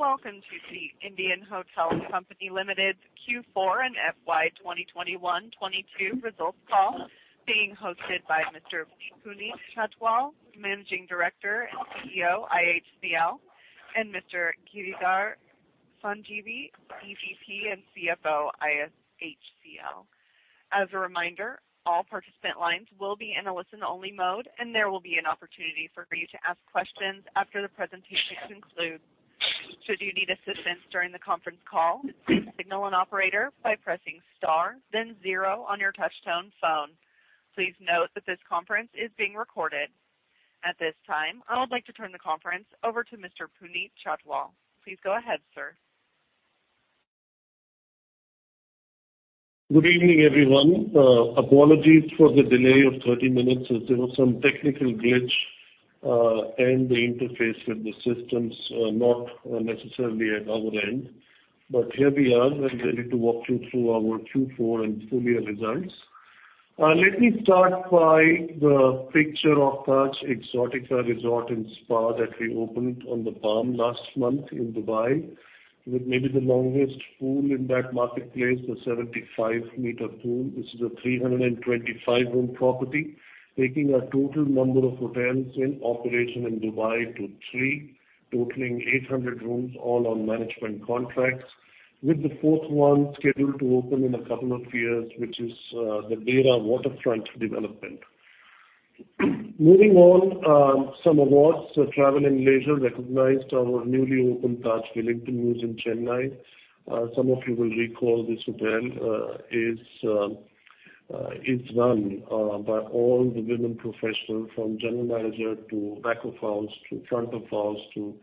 Good day, and welcome to The Indian Hotels Company Limited Q4 and FY 2021/2022 results call, being hosted by Mr. Puneet Chhatwal, Managing Director and CEO, IHCL, and Mr. Giridhar Sanjeevi, EVP and CFO, IHCL. As a reminder, all participant lines will be in a listen-only mode, and there will be an opportunity for you to ask questions after the presentation concludes. Should you need assistance during the conference call, please signal an operator by pressing star then zero on your touchtone phone. Please note that this conference is being recorded. At this time, I would like to turn the conference over to Mr. Puneet Chhatwal. Please go ahead, sir. Good evening, everyone. Apologies for the delay of 30 minutes as there was some technical glitch in the interface with the systems, not necessarily at our end. Here we are, and ready to walk you through our Q4 and full year results. Let me start by the picture of Taj Exotica Resort and Spa that we opened on The Palm last month in Dubai, with maybe the longest pool in that marketplace, a 75-meter pool. This is a 325-room property, taking our total number of hotels in operation in Dubai to three, totaling 800 rooms all on management contracts, with the fourth one scheduled to open in a couple of years, which is the Deira Waterfront development. Moving on, some awards. Travel + Leisure recognized our newly opened Taj Wellington Mews in Chennai. Some of you will recall this hotel is run by all the women professionals, from general manager to back of house to front of house to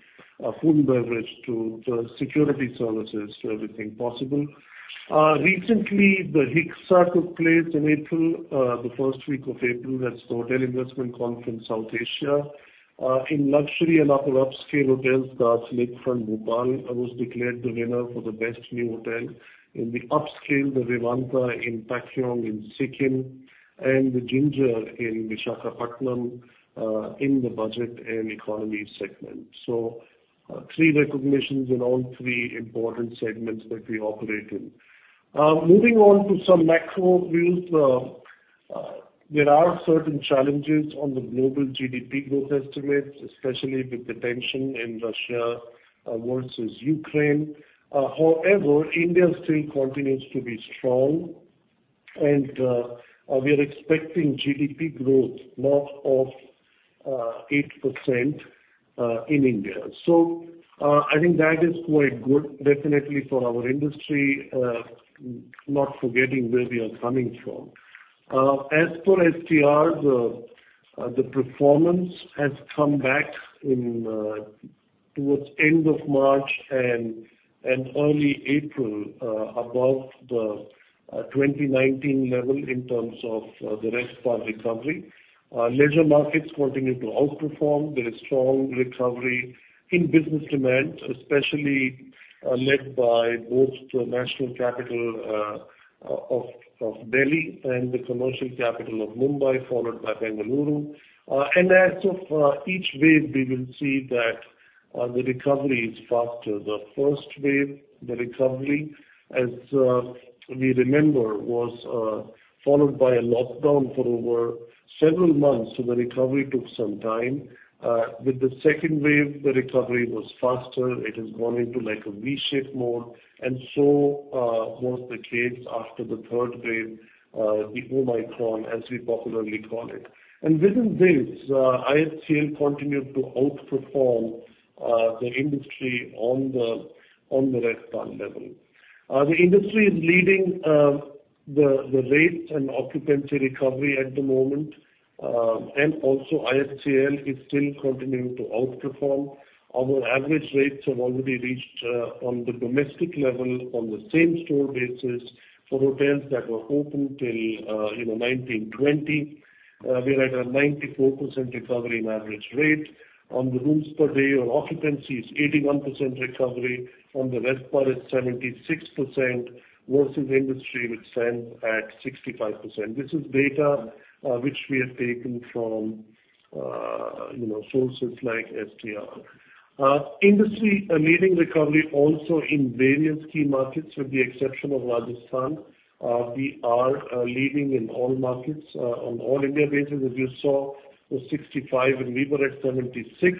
food and beverage to the security services to everything possible. Recently, the HICSA took place in April, the first week of April. That's the Hotel Investment Conference South Asia. In luxury and upper upscale hotels, the Taj Lakefront Bhopal was declared the winner for the best new hotel. In the upscale, the Vivanta in Pakyong in Sikkim, and the Ginger in Visakhapatnam in the budget and economy segment. Three recognitions in all three important segments that we operate in. Moving on to some macro views. There are certain challenges on the global GDP growth estimates, especially with the tension in Russia versus Ukraine. However, India still continues to be strong, and we are expecting GDP growth north of 8% in India. I think that is quite good definitely for our industry, not forgetting where we are coming from. As for STR growth, the performance has come back in towards end of March and early April above the 2019 level in terms of the RevPAR recovery. Leisure markets continue to outperform. There is strong recovery in business demand, especially led by both the national capital of Delhi and the commercial capital of Mumbai, followed by Bengaluru. As of each wave, we will see that the recovery is faster. The first wave, the recovery, as we remember, was followed by a lockdown for over several months, so the recovery took some time. With the second wave, the recovery was faster. It has gone into like a V-shaped mode. Was the case after the third wave, the Omicron, as we popularly call it. Within this, IHCL continued to outperform the industry on the RevPAR level. The industry is leading the rates and occupancy recovery at the moment. Also IHCL is still continuing to outperform. Our average rates have already reached, on the domestic level, on the same store basis for hotels that were open till, you know, 2019-2020. We're at a 94% recovery in average rate. On the rooms per day or occupancy is 81% recovery. On the RevPAR it's 76% versus industry which stands at 65%. This is data which we have taken from sources like STR. We are leading recovery also in various key markets with the exception of Rajasthan. We are leading in all markets on all India basis. As you saw it was 65%, and we were at 76%.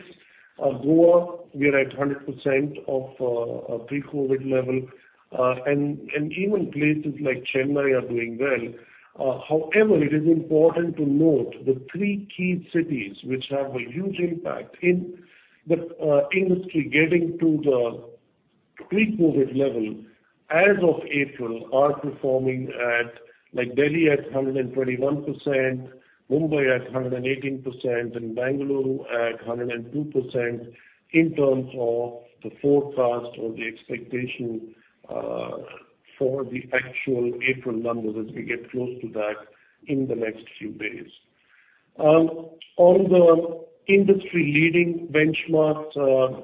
Goa we are at 100% of pre-COVID level. And even places like Chennai are doing well. However, it is important to note the three key cities which have a huge impact in the industry getting to the pre-COVID level as of April are performing at like Delhi at 121%, Mumbai at 118%, and Bengaluru at 102% in terms of the forecast or the expectation for the actual April numbers as we get close to that in the next few days. On the industry-leading benchmarks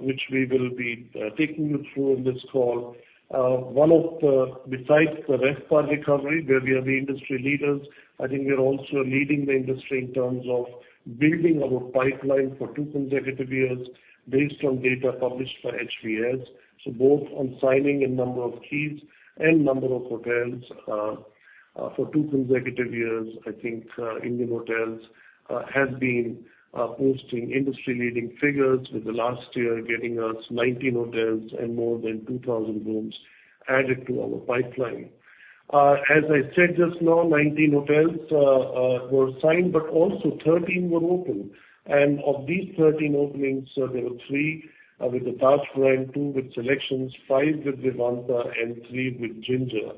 which we will be taking you through in this call, one of the besides the RevPAR recovery, where we are the industry leaders, I think we are also leading the industry in terms of building our pipeline for two consecutive years based on data published by HVS. Both on signing and number of keys and number of hotels, for two consecutive years, I think, Indian Hotels has been posting industry-leading figures, with the last year getting us 19 hotels and more than 2,000 rooms added to our pipeline. As I said just now, 19 hotels were signed, but also 13 were opened. Of these 13 openings, there were three with the Taj brand, two with SeleQtions, five with Vivanta, and three with Ginger.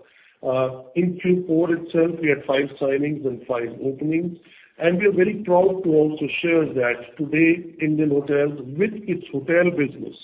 In Q4 itself, we had five signings and five openings. We are very proud to also share that today Indian Hotels, with its hotel business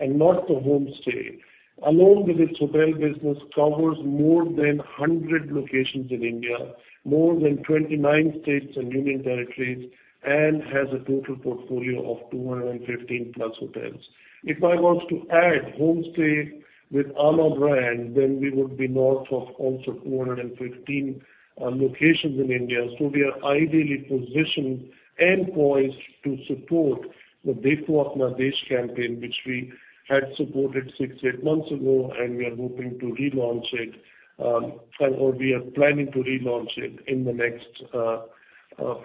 and not the homestay, along with its hotel business, covers more than 100 locations in India, more than 29 states and union territories, and has a total portfolio of 215+ hotels. If I was to add homestay with Amã brand, then we would be north of also 415 locations in India. We are ideally positioned and poised to support the Dekho Apna Desh campaign, which we had supported 6-8 months ago, and we are hoping to relaunch it or we are planning to relaunch it in the next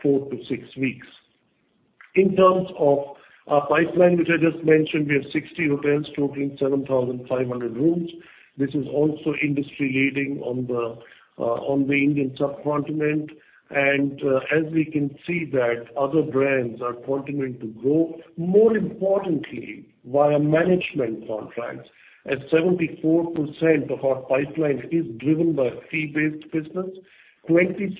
four to six weeks. In terms of our pipeline, which I just mentioned, we have 60 hotels totaling 7,500 rooms. This is also industry-leading on the Indian subcontinent. As we can see that other brands are continuing to grow, more importantly via management contracts, as 74% of our pipeline is driven by fee-based business, 26%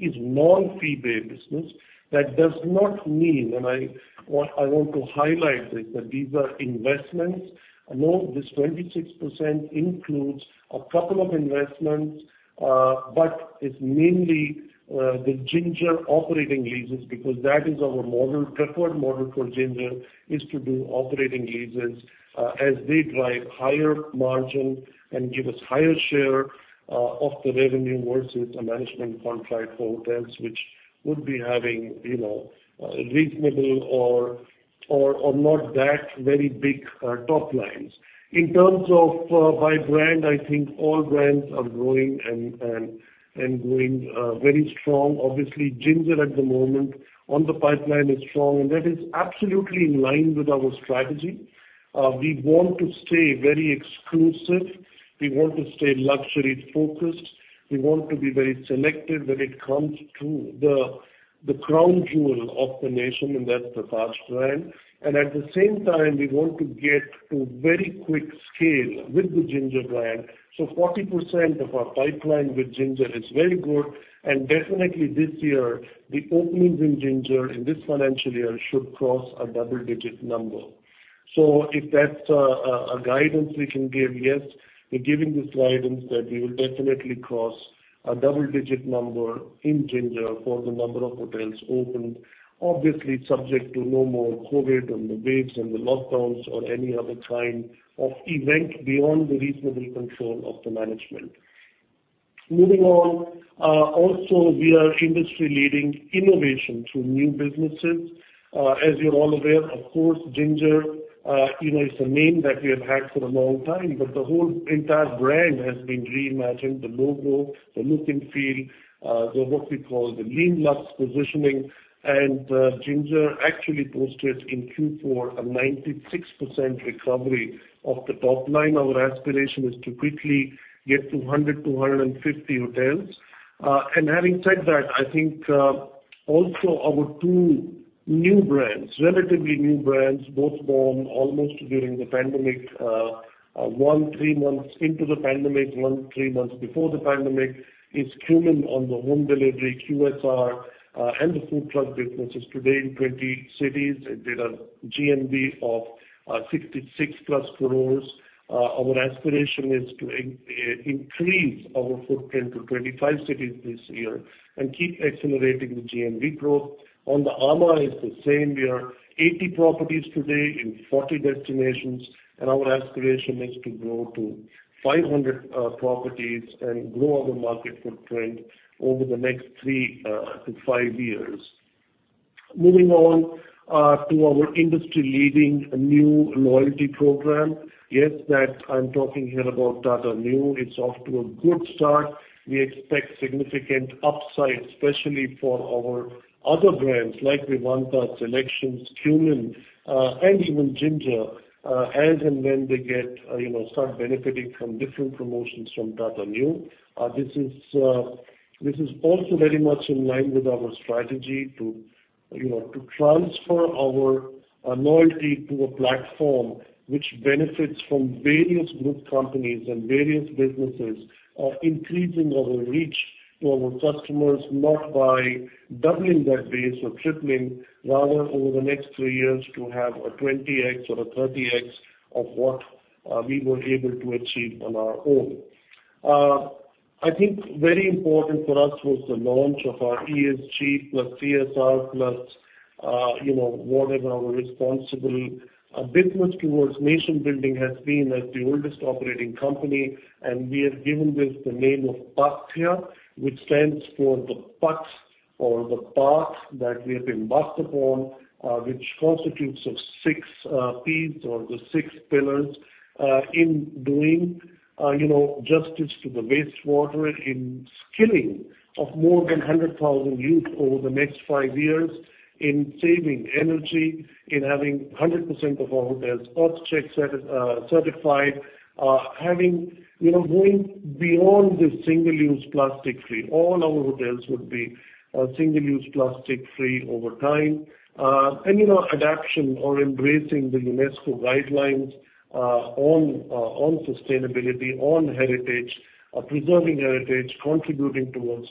is non-fee-based business. That does not mean, I want to highlight this, that these are investments. No, this 26% includes a couple of investments, but it's mainly the Ginger operating leases, because that is our model. Preferred model for Ginger is to do operating leases, as they drive higher margin and give us higher share of the revenue versus the management contract hotels, which would be having, you know, reasonable or not that very big top lines. In terms of by brand, I think all brands are growing and growing very strong. Obviously, Ginger at the moment on the pipeline is strong, and that is absolutely in line with our strategy. We want to stay very exclusive. We want to stay luxury focused. We want to be very selective when it comes to the crown jewel of the nation, and that's the Taj brand. At the same time, we want to get to very quick scale with the Ginger brand. 40% of our pipeline with Ginger is very good. Definitely this year, the openings in Ginger in this financial year should cross a double-digit number. If that's a guidance we can give, yes, we're giving this guidance that we will definitely cross a double-digit number in Ginger for the number of hotels opened, obviously subject to no more COVID and the waves and the lockdowns or any other kind of event beyond the reasonable control of the management. Moving on, also we are industry leading innovation through new businesses. As you're all aware, of course, Ginger, you know, it's a name that we have had for a long time, but the whole entire brand has been reimagined, the logo, the look and feel, the what we call the lean luxe positioning. Ginger actually posted in Q4 a 96% recovery of the top line. Our aspiration is to quickly get to 100-250 hotels. Having said that, I think, also our two new brands, relatively new brands, both born almost during the pandemic, one three months into the pandemic, one three months before the pandemic, is Qmin on the home delivery QSR, and the food truck businesses. Today in 20 cities, it did a GMV of 66+ crores. Our aspiration is to increase our footprint to 25 cities this year and keep accelerating the GMV growth. On the Amã, it's the same. We are 80 properties today in 40 destinations, and our aspiration is to grow to 500 properties and grow our market footprint over the next 3-5 years. Moving on to our industry-leading new loyalty program. Yes, that I'm talking here about Tata Neu. It's off to a good start. We expect significant upside, especially for our other brands like Vivanta, SeleQtions, Qmin, and even Ginger, as and when they get you know start benefiting from different promotions from Tata Neu. This is also very much in line with our strategy to, you know, to transfer our loyalty to a platform which benefits from various group companies and various businesses, increasing our reach to our customers, not by doubling that base or tripling, rather over the next three years to have a 20x or a 30x of what we were able to achieve on our own. I think very important for us was the launch of our ESG, plus CSR, plus, you know, whatever our responsible business towards nation building has been as the oldest operating company, and we have given this the name of Paathya, which stands for the paths or the path that we have embarked upon, which constitutes of six Ps or the six pillars, in doing, you know, justice to the wastewater, in skilling of more than 100,000 youth over the next five years, in saving energy, in having 100% of our hotels EarthCheck certified, having you know, going beyond the single-use plastic free. All our hotels would be single-use plastic free over time. You know, adoption or embracing the UNESCO guidelines on sustainability, on heritage, preserving heritage, contributing towards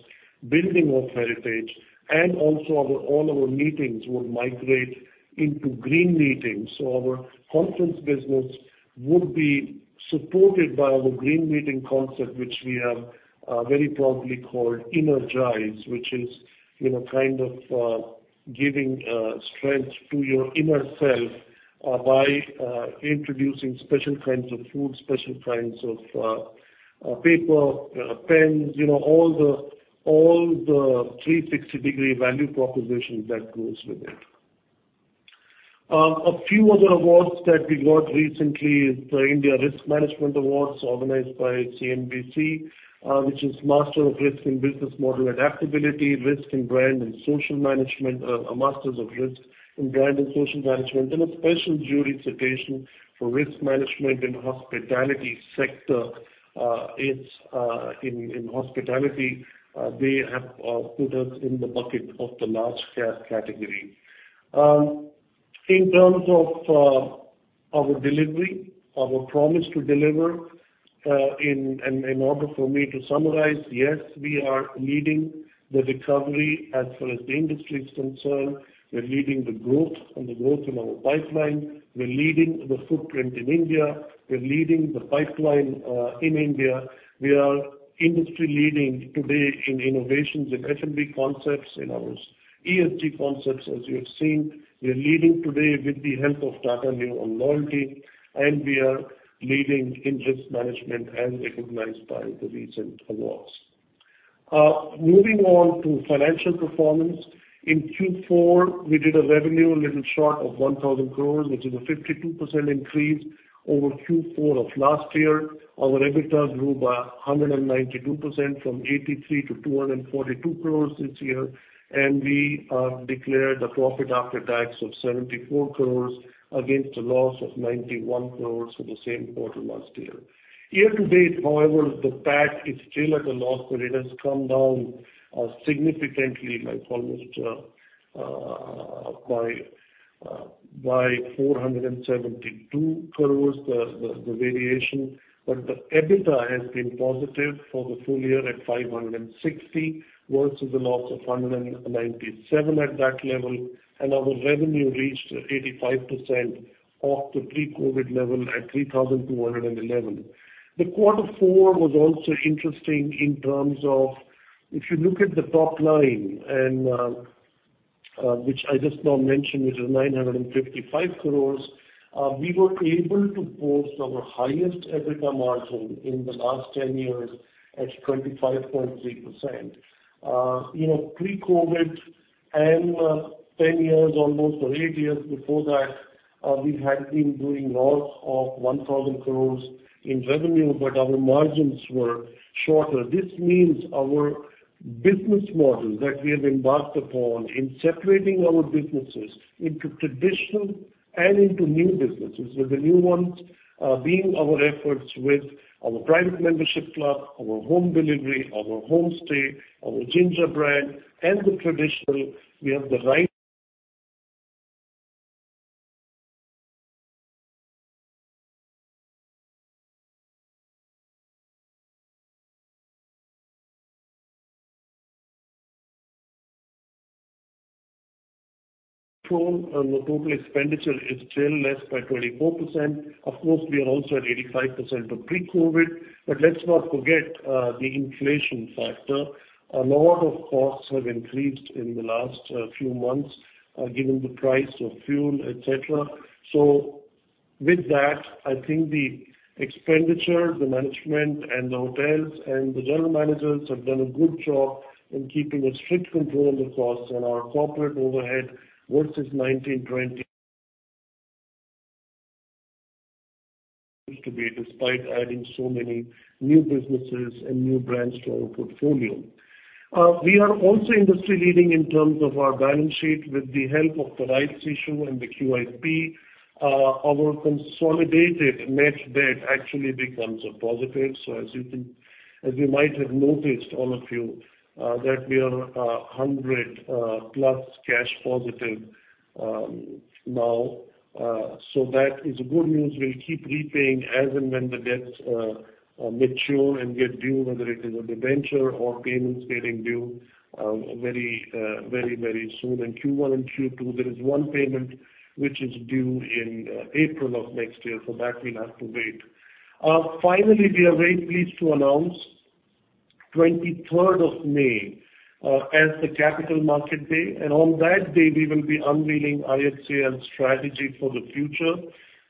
building of heritage, and also all our meetings would migrate into green meetings. Our conference business would be supported by our green meeting concept which we have very proudly called Innergise, which is, you know, kind of giving strength to your inner self by introducing special kinds of food, special kinds of paper, pens, you know, all the 360-degree value propositions that goes with it. A few other awards that we got recently is the India Risk Management Awards organized by CNBC-TV18, which is Master of Risk in Business Model Adaptability, Masters of Risk in Brand and Social Management, and a special jury citation for Risk Management in Hospitality Sector. It's in hospitality, they have put us in the bucket of the large cap category. In terms of our delivery, our promise to deliver. In order for me to summarize, yes, we are leading the recovery as far as the industry is concerned. We're leading the growth in our pipeline. We're leading the footprint in India. We're leading the pipeline in India. We are industry leading today in innovations in F&B concepts, in our ESG concepts as you have seen. We are leading today with the help of Tata Neu on loyalty, and we are leading in risk management as recognized by the recent awards. Moving on to financial performance. In Q4, we did a revenue a little short of 1,000 crore, which is a 52% increase over Q4 of last year. Our EBITDA grew by 192% from 83 crore to 242 crore this year. We declared a profit after tax of 74 crore against a loss of 91 crore for the same quarter last year. Year-to-date, however, the PAT is still at a loss, but it has come down significantly by almost 472 crore, the variation. The EBITDA has been positive for the full year at 560 crores versus the loss of 197 crores at that level, and our revenue reached 85% of the pre-COVID level at 3,211 crores. The quarter four was also interesting in terms of if you look at the top line, which I just now mentioned, which is 955 crores. We were able to post our highest EBITDA margin in the last 10 years at 25.3%. You know, pre-COVID and ten years almost or 8 years before that, we had been doing loss of 1,000 crores in revenue, but our margins were shorter. This means our business model that we have embarked upon in separating our businesses into traditional and into new businesses, with the new ones, being our efforts with our private membership club, our home delivery, our homestay, our Ginger brand, and the traditional, we have the right control on the total expenditure is still less by 24%. Of course, we are also at 85% of pre-COVID. Let's not forget the inflation factor. A lot of costs have increased in the last few months, given the price of fuel, et cetera. With that, I think the expenditure, the management and the hotels and the general managers have done a good job in keeping a strict control on the costs and our corporate overhead versus 2019, 2020 to be despite adding so many new businesses and new brands to our portfolio. We are also industry leading in terms of our balance sheet with the help of the rights issue and the QIP. Our consolidated net debt actually becomes a positive. As you might have noticed, all of you, that we are 100+ cash positive, now. That is good news. We'll keep repaying as and when the debts mature and get due, whether it is a debenture or payments getting due, very soon in Q1 and Q2. There is one payment which is due in April of next year. For that we'll have to wait. Finally, we are very pleased to announce twenty-third of May, the Capital Markets Day. On that day, we will be unveiling IHCL strategy for the future.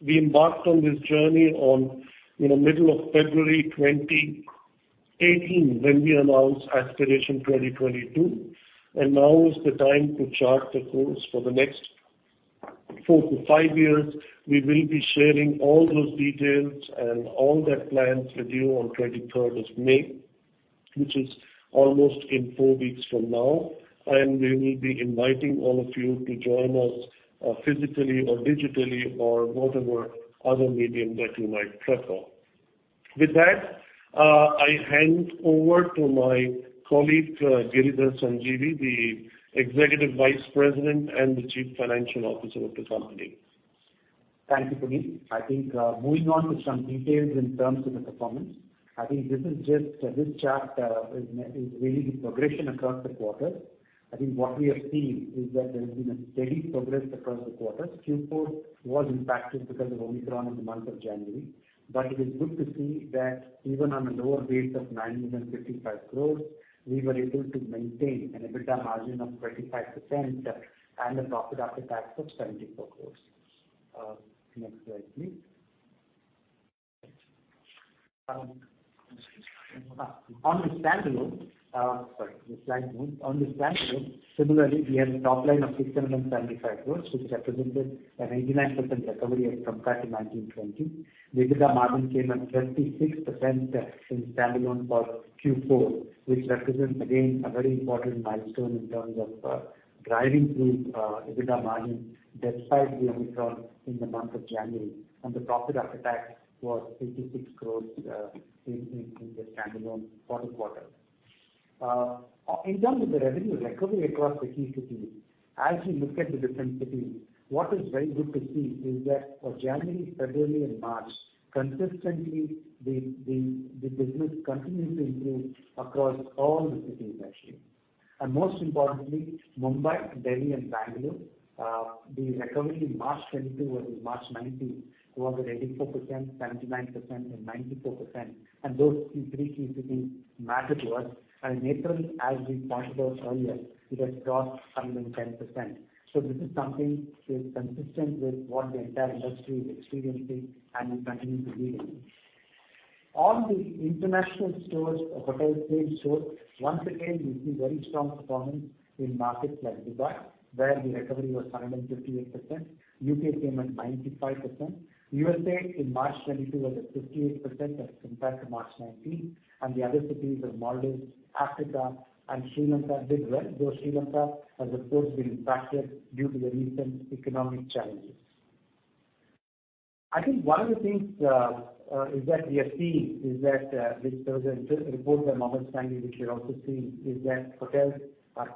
We embarked on this journey on, you know, middle of February 2018, when we announced Aspiration 2022, and now is the time to chart the course for the next 4 to 5 years. We will be sharing all those details and all that plans with you on 23rd of May, which is almost in 4 weeks from now. We will be inviting all of you to join us, physically or digitally or whatever other medium that you might prefer. With that, I hand over to my colleague, Giridhar Sanjeevi, the Executive Vice President and the Chief Financial Officer of the company. Thank you, Puneet. I think moving on to some details in terms of the performance, I think this is just this chart is really the progression across the quarters. I think what we have seen is that there has been a steady progress across the quarters. Q4 was impacted because of Omicron in the month of January. It is good to see that even on a lower base of 905 crore, we were able to maintain an EBITDA margin of 25% and a profit after tax of 74 crore. Next slide, please. On the standalone, sorry. The slide moved. On the standalone, similarly, we have a top line of 607 crore, which represented a 99% recovery as compared to 2019-2020. The EBITDA margin came at 36% in standalone for Q4, which represents again a very important milestone in terms of driving through EBITDA margin despite the Omicron in the month of January. The profit after tax was 86 crore in the standalone fourth quarter. In terms of the revenue recovery across the key cities, as we look at the different cities, what is very good to see is that for January, February and March, consistently the business continued to improve across all the cities actually. Most importantly, Mumbai, Delhi and Bangalore, the recovery in March 2022 versus March 2019 was at 84%, 79%, and 94%. Those three key cities matter to us. April, as we pointed out earlier, it has crossed 110%. This is something that is consistent with what the entire industry is experiencing, and we continue to lead it. On the international hotels or hotel chains, once again, we see very strong performance in markets like Dubai, where the recovery was 158%. U.K. came at 95%. USA in March 2022 was at 58% as compared to March 2019. The other cities of Maldives, Africa and Sri Lanka did well, though Sri Lanka has of course been impacted due to the recent economic challenges. I think one of the things is that we have seen that this doesn't disrupt the normal timing, which you're also seeing, that hotels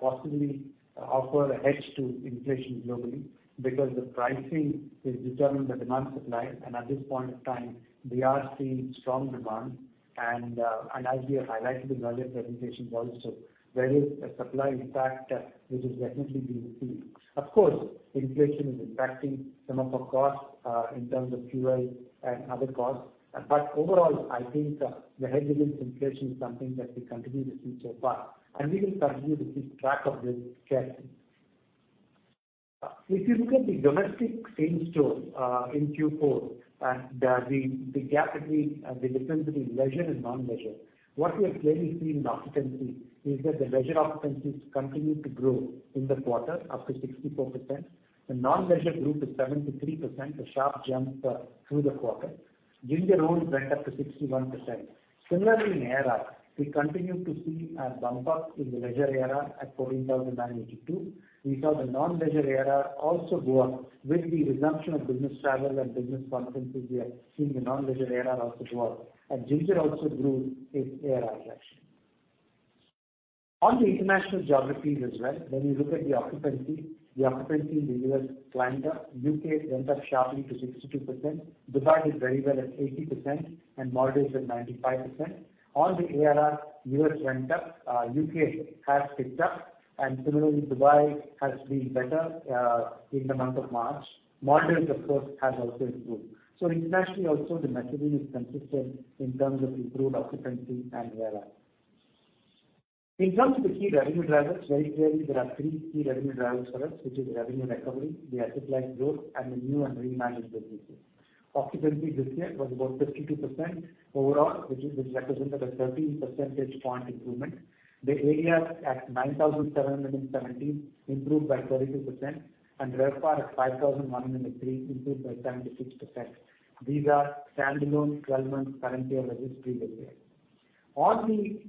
possibly offer a hedge to inflation globally because the pricing is determined by demand supply. At this point in time, we are seeing strong demand. As we have highlighted in earlier presentation also, there is a supply impact, which is definitely being seen. Of course, inflation is impacting some of our costs, in terms of fuel and other costs. Overall, I think the hedge against inflation is something that we continue to see so far, and we will continue to keep track of this carefully. If you look at the domestic same stores, in Q4, the difference between leisure and non-leisure, what we are clearly seeing in occupancy is that the leisure occupancies continued to grow in the quarter up to 64%. The non-leisure group is 73%, a sharp jump, through the quarter. Ginger own went up to 61%. Similarly, in ARR, we continue to see a bump up in the leisure ARR at 14,982. We saw the non-leisure ARR also go up with the resumption of business travel and business conferences. We are seeing the non-leisure ARR also go up. Ginger also grew its ARR actually. On the international geographies as well, when you look at the occupancy, the occupancy in the U.S. climbed up. U.K. went up sharply to 62%. Dubai did very well at 80%, and Maldives at 95%. On the ARR, U.S. went up, U.K. has picked up, and similarly Dubai has been better, in the month of March. Maldives of course has also improved. Internationally also the messaging is consistent in terms of improved occupancy and ARR. In terms of the key revenue drivers, very clearly there are three key revenue drivers for us, which is revenue recovery, the asset light growth and the new and re-managed businesses. Occupancy this year was about 52% overall, which represented a 13 percentage point improvement. The ADR at 9,770 improved by 32%, and RevPAR at 5,103 improved by 76%. These are standalone twelve-month current year registered year. On the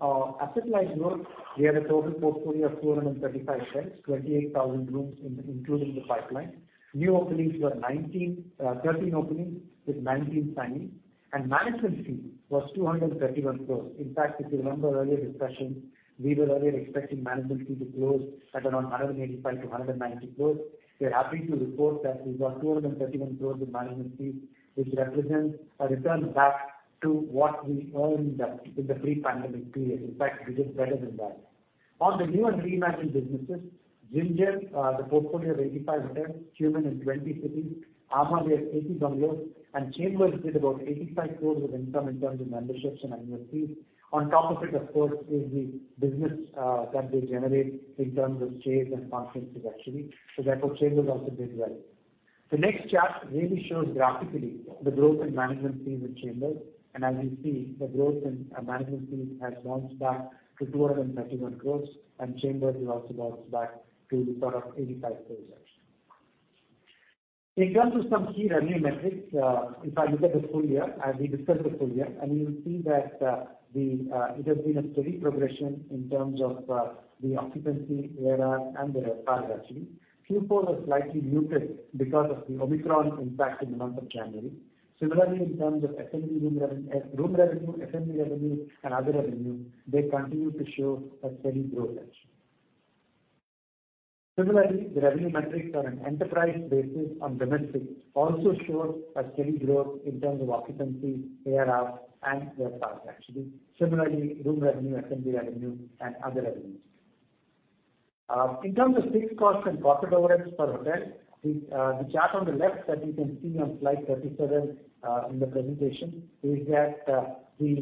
asset light growth, we have a total portfolio of 235 hotels, 28,000 rooms including the pipeline. New openings were thirteen openings with nineteen signings. Management fee was 231 crores. In fact, if you remember earlier discussion, we were earlier expecting management fee to close at around 185-190 crores. We are happy to report that we got 231 crore in management fees, which represents a return back to what we earned in the pre-pandemic period. In fact, this is better than that. On the new and reimagined businesses, Ginger, the portfolio of 85 hotels, humming in 20 cities, Amã they have 81 stays and The Chambers did about 85 crore of income in terms of memberships and annual fees. On top of it, of course, is the business that they generate in terms of events and conferences actually. Therefore, Chambers also did well. The next chart really shows graphically the growth in management fees with Chambers. As you see, the growth in management fees has bounced back to 231 crore and Chambers has also bounced back to sort of 85 crore actually. In terms of some key revenue metrics, if I look at the full year, as we discussed the full year, and you'll see that it has been a steady progression in terms of the occupancy, ADR, and the RevPAR actually. Q4 was slightly muted because of the Omicron impact in the month of January. Similarly, in terms of F&B room revenue, F&B revenue and other revenue, they continue to show a steady growth actually. Similarly, the revenue metrics on an enterprise basis on domestic also shows a steady growth in terms of occupancy, ARR and RevPAR actually. Similarly, room revenue, F&B revenue and other revenues. In terms of fixed costs and profit overheads per hotel, the chart on the left that you can see on slide 37 in the presentation is that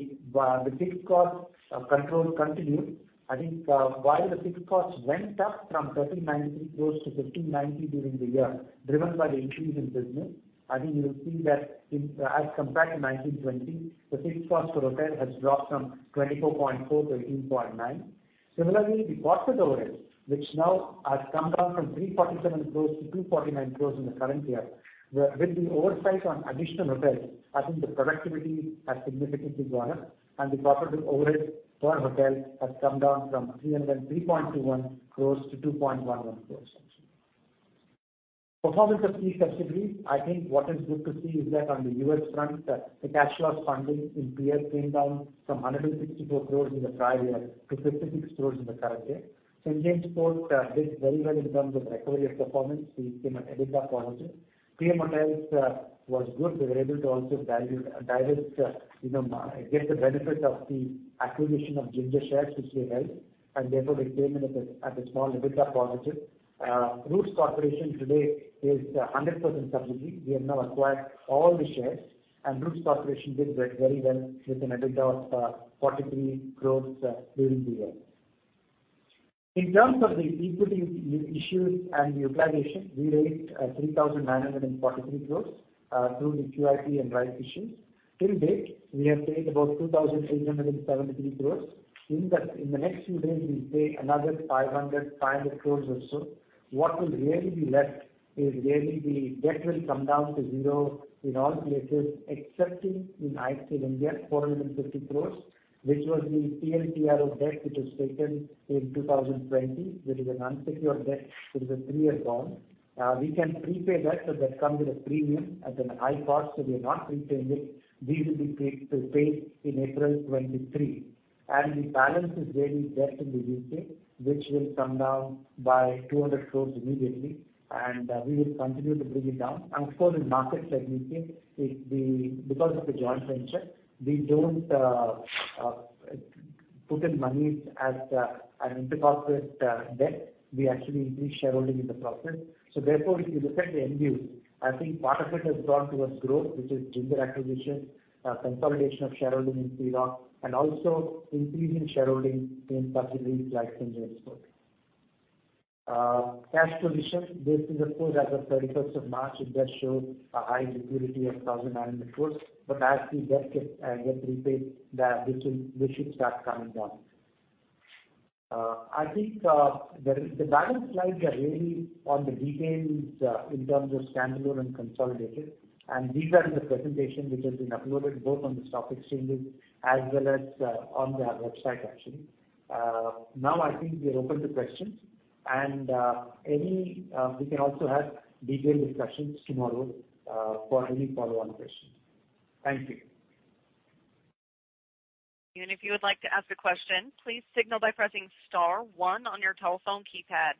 the fixed costs control continued. I think while the fixed costs went up from 1,390 crores to 1,590 crores during the year, I think you'll see that, as compared to 1,920, the fixed cost per hotel has dropped from 24.4 to 18.9. Similarly, the profit overhead, which now has come down from 347 crores to 249 crores in the current year, where with the oversight on additional hotels, I think the productivity has significantly gone up and the profit overhead per hotel has come down from 303.21 crores to 2.11 crores actually. Performance of key subsidiaries. I think what is good to see is that on the US front, the cash loss funding in Pierre came down from 164 crore in the prior year to 56 crore in the current year. St. James' Court did very well in terms of recovery of performance. We came at EBITDA positive. Clermont Hotels was good. We were able to also derive, you know, get the benefit of the acquisition of Ginger shares which we held, and therefore we came in at a small EBITDA positive. Roots Corporation today is a 100% subsidiary. We have now acquired all the shares and Roots Corporation did very, very well with an EBITDA of 43 crore during the year. In terms of the equity issues and utilization, we raised 3,943 crores through the QIP and rights issues. Till date, we have paid about 2,873 crores. In the next few days we'll pay another 500 crores or so. What will really be left is the debt will come down to zero in all places except in IHCL India, 450 crores, which was the ECLGS debt which was taken in 2020. That is an unsecured debt. It is a 3-year bond. We can prepay that, but that comes with a premium at a high cost, so we are not prepaying it. These will be paid in April 2023. The balance is really just in the U.K., which will come down by 200 crores immediately, and we will continue to bring it down. Of course in markets like U.K., because of the joint venture, we don't put in money as an intercorporate debt. We actually increase shareholding in the process. Therefore, if you look at the end use, I think part of it has gone towards growth, which is Ginger acquisition, consolidation of shareholding in Preelock, and also increasing shareholding in subsidiaries like Ginger Export. Cash position. This is of course as of 31st of March, it does show a high liquidity of 1,900 crores. As the debt get repaid, this should start coming down. I think the balance slides are really on the details in terms of standalone and consolidated. These are in the presentation which has been uploaded both on the stock exchanges as well as on the website actually. Now I think we are open to questions and any we can also have detailed discussions tomorrow for any follow-on questions. Thank you. If you would like to ask a question, please signal by pressing star one on your telephone keypad.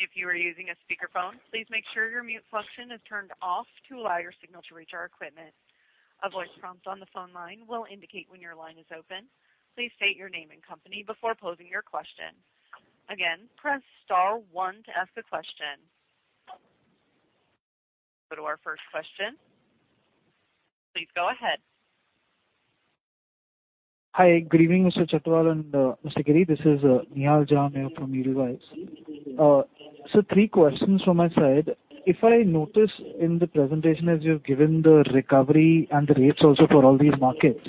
If you are using a speakerphone, please make sure your mute function is turned off to allow your signal to reach our equipment. A voice prompt on the phone line will indicate when your line is open. Please state your name and company before posing your question. Again, press star one to ask a question. Go to our first question. Please go ahead. Hi, good evening, Mr. Chhatwal and Giridhar Sanjeevi. This is Nihal Jham from Edelweiss. Three questions from my side. If I notice in the presentation as you have given the recovery and the rates also for all these markets,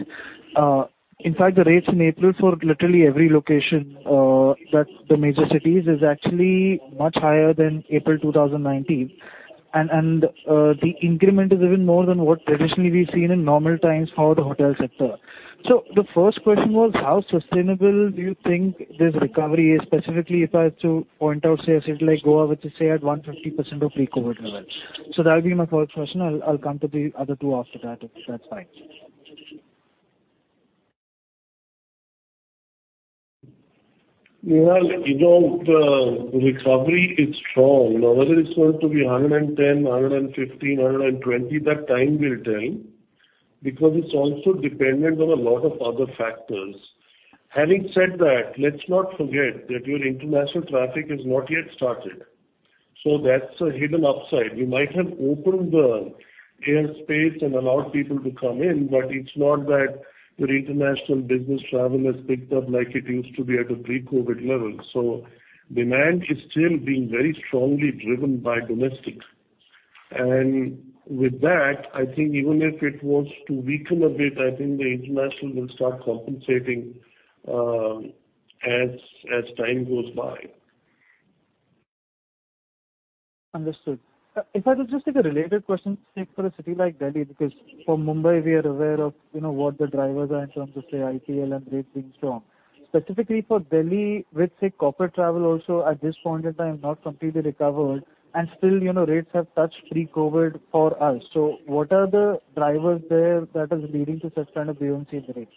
in fact the rates in April for literally every location that the major cities is actually much higher than April 2019. The increment is even more than what traditionally we've seen in normal times for the hotel sector. The first question was. How sustainable do you think this recovery is? Specifically if I have to point out, say a city like Goa, which is, say at 150% of pre-COVID levels. That'll be my first question. I'll come to the other two after that, if that's fine. Nihal, you know, the recovery is strong. Whether it's going to be 110, 115, 120, that time will tell. Because it's also dependent on a lot of other factors. Having said that, let's not forget that your international traffic has not yet started, so that's a hidden upside. You might have opened the airspace and allowed people to come in, but it's not that your international business travel has picked up like it used to be at a pre-COVID level. Demand is still being very strongly driven by domestic. With that, I think even if it was to weaken a bit, I think the international will start compensating, as time goes by. Understood. If I could just take a related question, say, for a city like Delhi, because for Mumbai we are aware of, you know, what the drivers are in terms of, say, IPL and rates being strong. Specifically for Delhi, with, say, corporate travel also at this point in time not completely recovered and still, you know, rates have touched pre-COVID for us. What are the drivers there that is leading to such kind of RevPAR rates?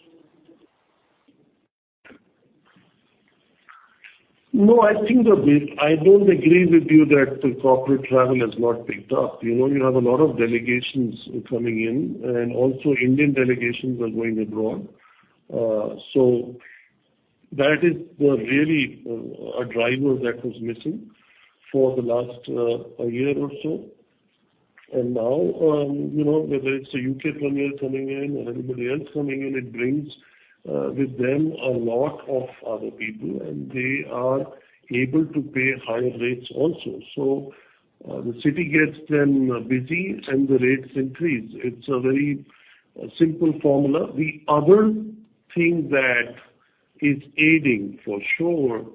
No, I think I don't agree with you that the corporate travel has not picked up. You know, you have a lot of delegations coming in, and also Indian delegations are going abroad. That is really a driver that was missing for the last year or so. Now, you know, whether it's a U.K. premier coming in or everybody else coming in, it brings with them a lot of other people, and they are able to pay higher rates also. The city gets then busy and the rates increase. It's a very simple formula. The other thing that is aiding for sure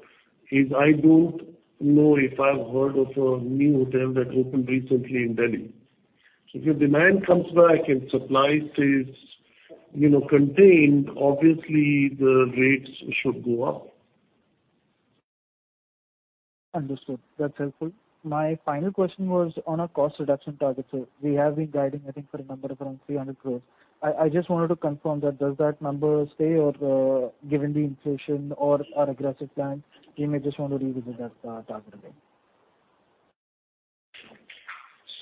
is I don't know if I've heard of a new hotel that opened recently in Delhi. If your demand comes back and supply stays, you know, contained, obviously the rates should go up. Understood. That's helpful. My final question was on our cost reduction target, sir. We have been guiding, I think, for a number around 300 crore. I just wanted to confirm that does that number stay or, given the inflation or our aggressive plan, we may just want to revisit that target again.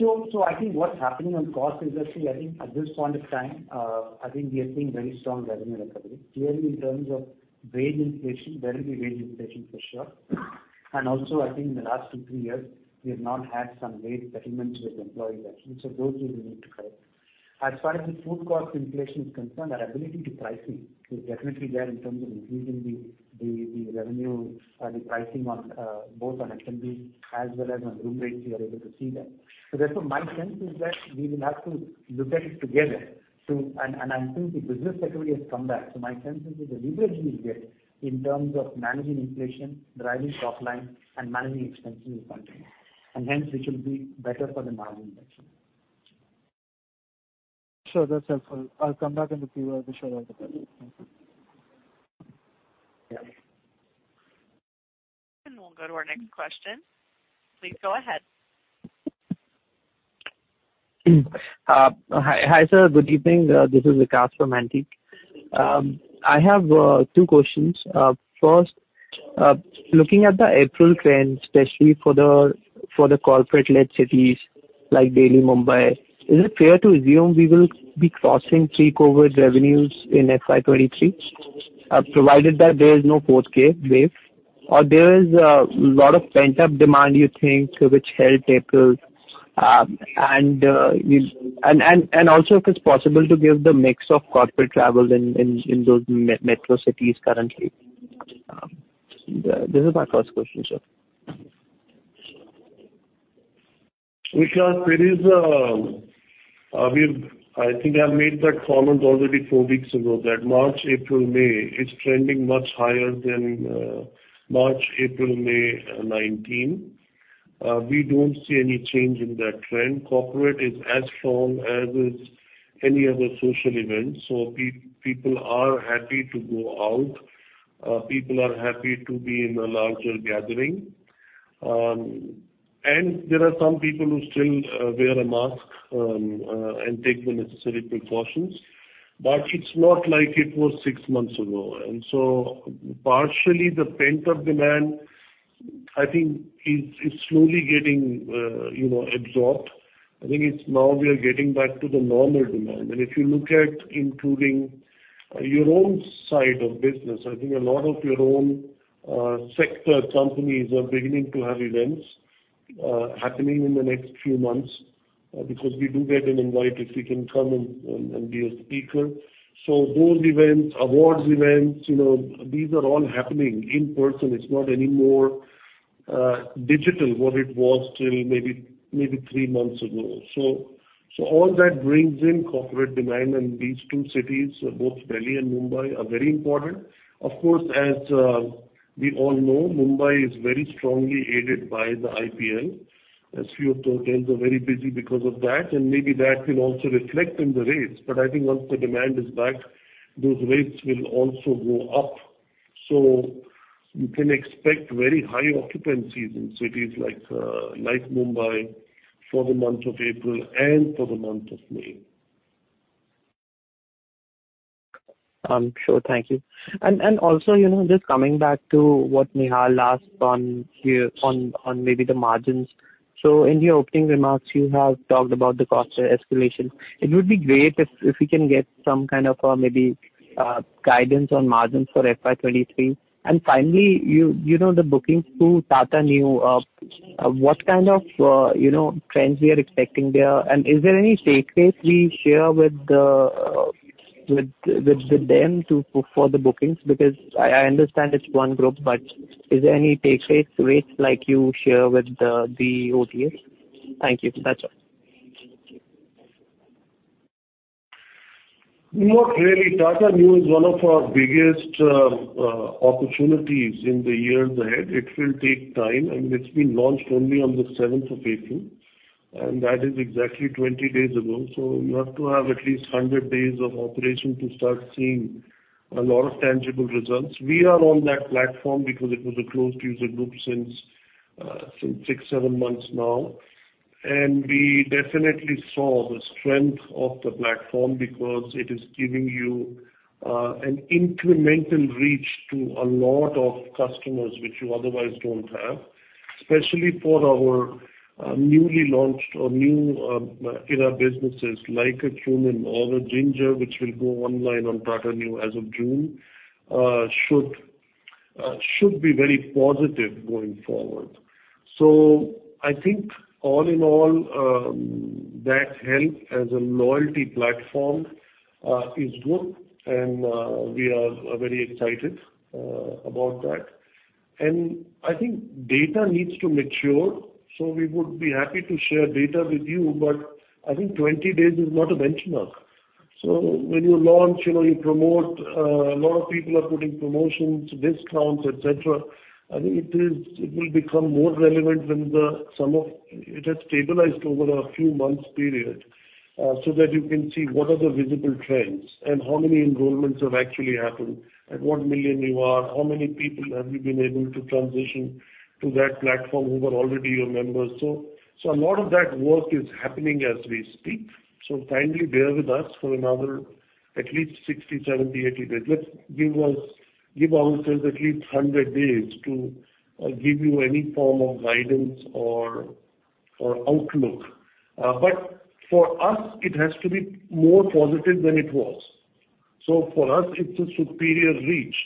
I think what's happening on cost is that I think at this point of time I think we are seeing very strong revenue recovery. Clearly, in terms of wage inflation, there will be wage inflation for sure. I think in the last two, three years, we have not had some late settlements with employees actually. Those we will need to cover. As far as the food cost inflation is concerned, our ability to pricing is definitely there in terms of increasing the revenue, the pricing on both on F&B as well as on room rates, we are able to see that. Therefore, my sense is that we will have to look at it together. I think the business activity has come back. My sense is that the leverage we will get in terms of managing inflation, driving top line and managing expenses will continue, and hence which will be better for the margin actually. Sure. That's helpful. I'll come back in the Q&A to share those with everyone. Thank you. Yeah. We'll go to our next question. Please go ahead. Hi, sir. Good evening. This is Vikas from Antique. I have two questions. First, looking at the April trend, especially for the corporate-led cities like Delhi, Mumbai, is it fair to assume we will be crossing pre-COVID revenues in FY 2023, provided that there is no 4th wave? There is a lot of pent-up demand you think which helped April? Also if it's possible to give the mix of corporate travel in those metro cities currently. This is my first question, sir. Vikas, I think I made that comment already four weeks ago that March, April, May is trending much higher than March, April, May 2019. We don't see any change in that trend. Corporate is as strong as any other social event. People are happy to go out. People are happy to be in a larger gathering. There are some people who still wear a mask and take the necessary precautions. It's not like it was six months ago. Partially the pent-up demand, I think, is slowly getting absorbed. I think it's now we are getting back to the normal demand. If you look at including your own side of business, I think a lot of your own sector companies are beginning to have events happening in the next few months because we do get an invite if we can come and be a speaker. Those events, awards events, you know, these are all happening in person. It's not anymore digital, what it was till maybe three months ago. All that brings in corporate demand. These two cities, both Delhi and Mumbai, are very important. Of course, as we all know, Mumbai is very strongly aided by the IPL. A few hotels are very busy because of that, and maybe that will also reflect in the rates. I think once the demand is back, those rates will also go up. You can expect very high occupancies in cities like Mumbai for the month of April and for the month of May. Sure. Thank you. Also, you know, just coming back to what Nehal asked on maybe the margins. In your opening remarks, you have talked about the cost escalation. It would be great if we can get some kind of guidance on margins for FY 2023. Finally, you know, the bookings through Tata Neu, what kind of trends we are expecting there? Is there any take rates we share with them for the bookings? Because I understand it's one group, but is there any take rates like you share with the OTAs? Thank you. That's all. Not really. Tata Neu is one of our biggest opportunities in the years ahead. It will take time, and it's been launched only on the seventh of April, and that is exactly 20 days ago. You have to have at least 100 days of operation to start seeing a lot of tangible results. We are on that platform because it was a closed user group since 6-7 months now. We definitely saw the strength of the platform because it is giving you an incremental reach to a lot of customers which you otherwise don't have, especially for our newly launched or new, you know, businesses like a Qmin or the Ginger, which will go online on Tata Neu as of June, should be very positive going forward. I think all in all, that help as a loyalty platform is good and we are very excited about that. I think data needs to mature, so we would be happy to share data with you, but I think 20 days is not a benchmark. When you launch, you know, you promote, a lot of people are putting promotions, discounts, et cetera. I think it will become more relevant when the sum of it has stabilized over a few months period, so that you can see what are the visible trends and how many enrollments have actually happened. At what million you are, how many people have you been able to transition to that platform who were already your members? A lot of that work is happening as we speak. Kindly bear with us for another at least 60, 70, 80 days. Let's give ourselves at least 100 days to give you any form of guidance or outlook. For us, it has to be more positive than it was. For us, it's a superior reach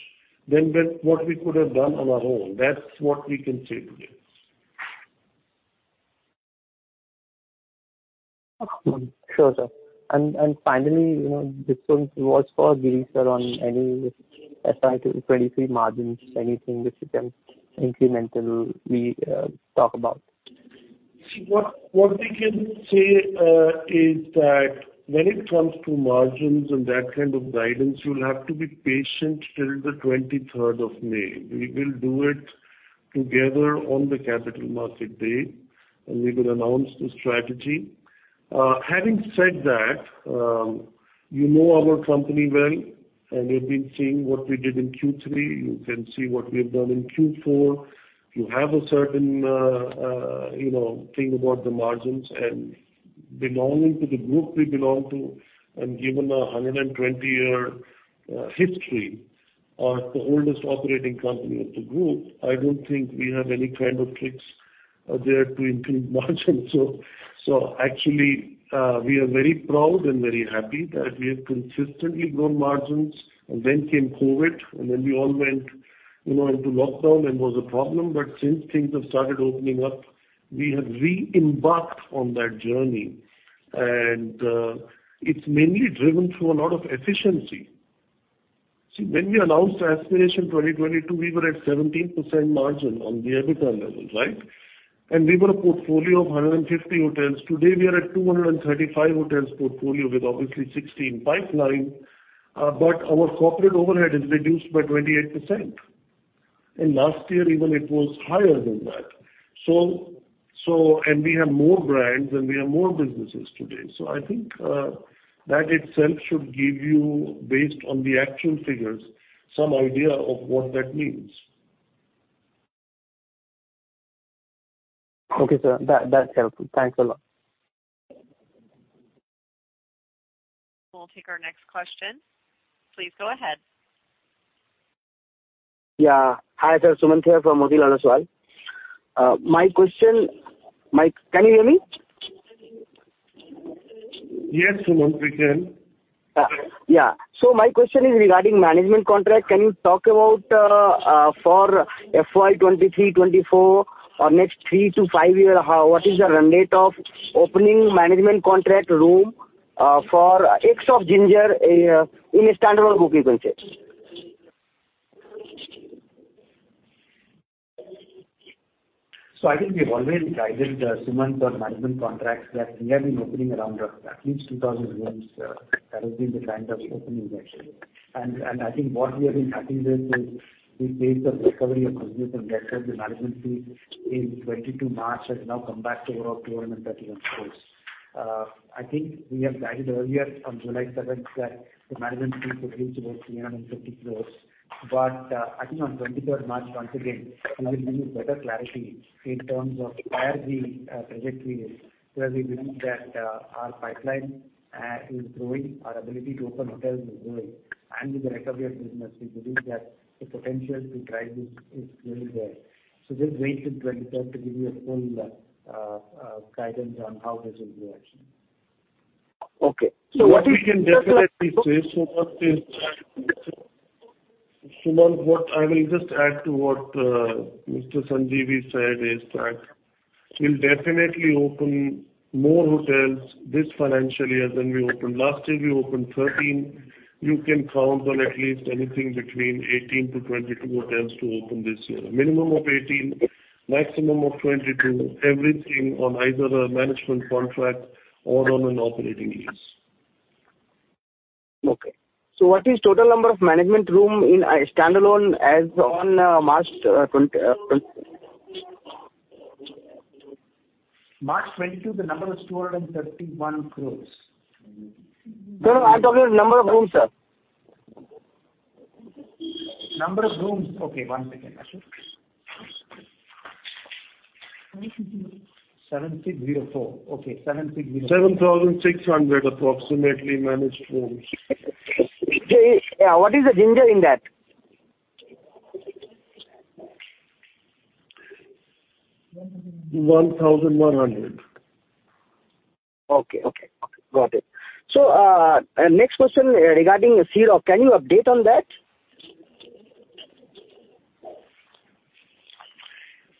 than what we could have done on our own. That's what we can say today. Sure, sir. Finally, you know, this one was for Giridhar, sir, on any FY 2023 margins, anything which you can incremental we talk about. See what we can say is that when it comes to margins and that kind of guidance, you'll have to be patient till the twenty-third of May. We will do it together on the Capital Markets Day, and we will announce the strategy. Having said that, you know our company well, and you've been seeing what we did in Q3. You can see what we've done in Q4. You have a certain, you know, thing about the margins and belonging to the group we belong to and given a 120-year history of the oldest operating company of the group, I don't think we have any kind of tricks there to improve margin. We are very proud and very happy that we have consistently grown margins and then came COVID, and then we all went, you know, into lockdown and was a problem. Since things have started opening up, we have re-embarked on that journey. It's mainly driven through a lot of efficiency. See, when we announced Aspiration 2022, we were at 17% margin on the EBITDA levels, right? We were a portfolio of 150 hotels. Today, we are at 235 hotels portfolio with obviously 16 pipeline. Our corporate overhead is reduced by 28%. Last year even it was higher than that. We have more brands and we have more businesses today. I think that itself should give you based on the actual figures some idea of what that means. Okay, sir. That's helpful. Thanks a lot. We'll take our next question. Please go ahead. Hi, sir. Sumant here from Motilal Oswal. Can you hear me? Yes, Sumant, we can. My question is regarding management contract. Can you talk about, for FY 2023, 2024 or next 3 to 5 years, what is the run rate of opening management contract rooms, excluding Ginger, on a standalone basis you can say? I think we've always guided, Sumant, on management contracts that we have been opening around at least 2,000 rooms. That has been the kind of opening actually. I think what we have been happy with is the pace of recovery of business and that has been management fee in March 2022 has now come back to overall 12 and 30 on course. I think we have guided earlier on July 7 that the management fee could reach about 350 crore. But, I think on March 23 once again can now give you better clarity in terms of where the trajectory is, where we believe that our pipeline is growing, our ability to open hotels is growing, and with the recovery of business we believe that the potential to drive is really there. Just wait till 23rd to give you a full guidance on how this will grow actually. Okay. What is Sumant, what I will just add to what Mr. Sanjeevi said is that we'll definitely open more hotels this financial year than we opened last year. We opened 13. You can count on at least anything between 18-22 hotels to open this year. A minimum of 18, maximum of 22. Everything on either a management contract or on an operating lease. Okay. What is total number of management room in a standalone as on March 22? March 2022, the number was 231 crore. No, no, I'm talking of number of rooms, sir. Number of rooms? Okay, one second. I'll check. 7604. Okay. 7604. 7,600 approximately managed rooms. Yeah. What is the Ginger in that? 1,100. Okay. Got it. Next question regarding Sea Rock. Can you update on that?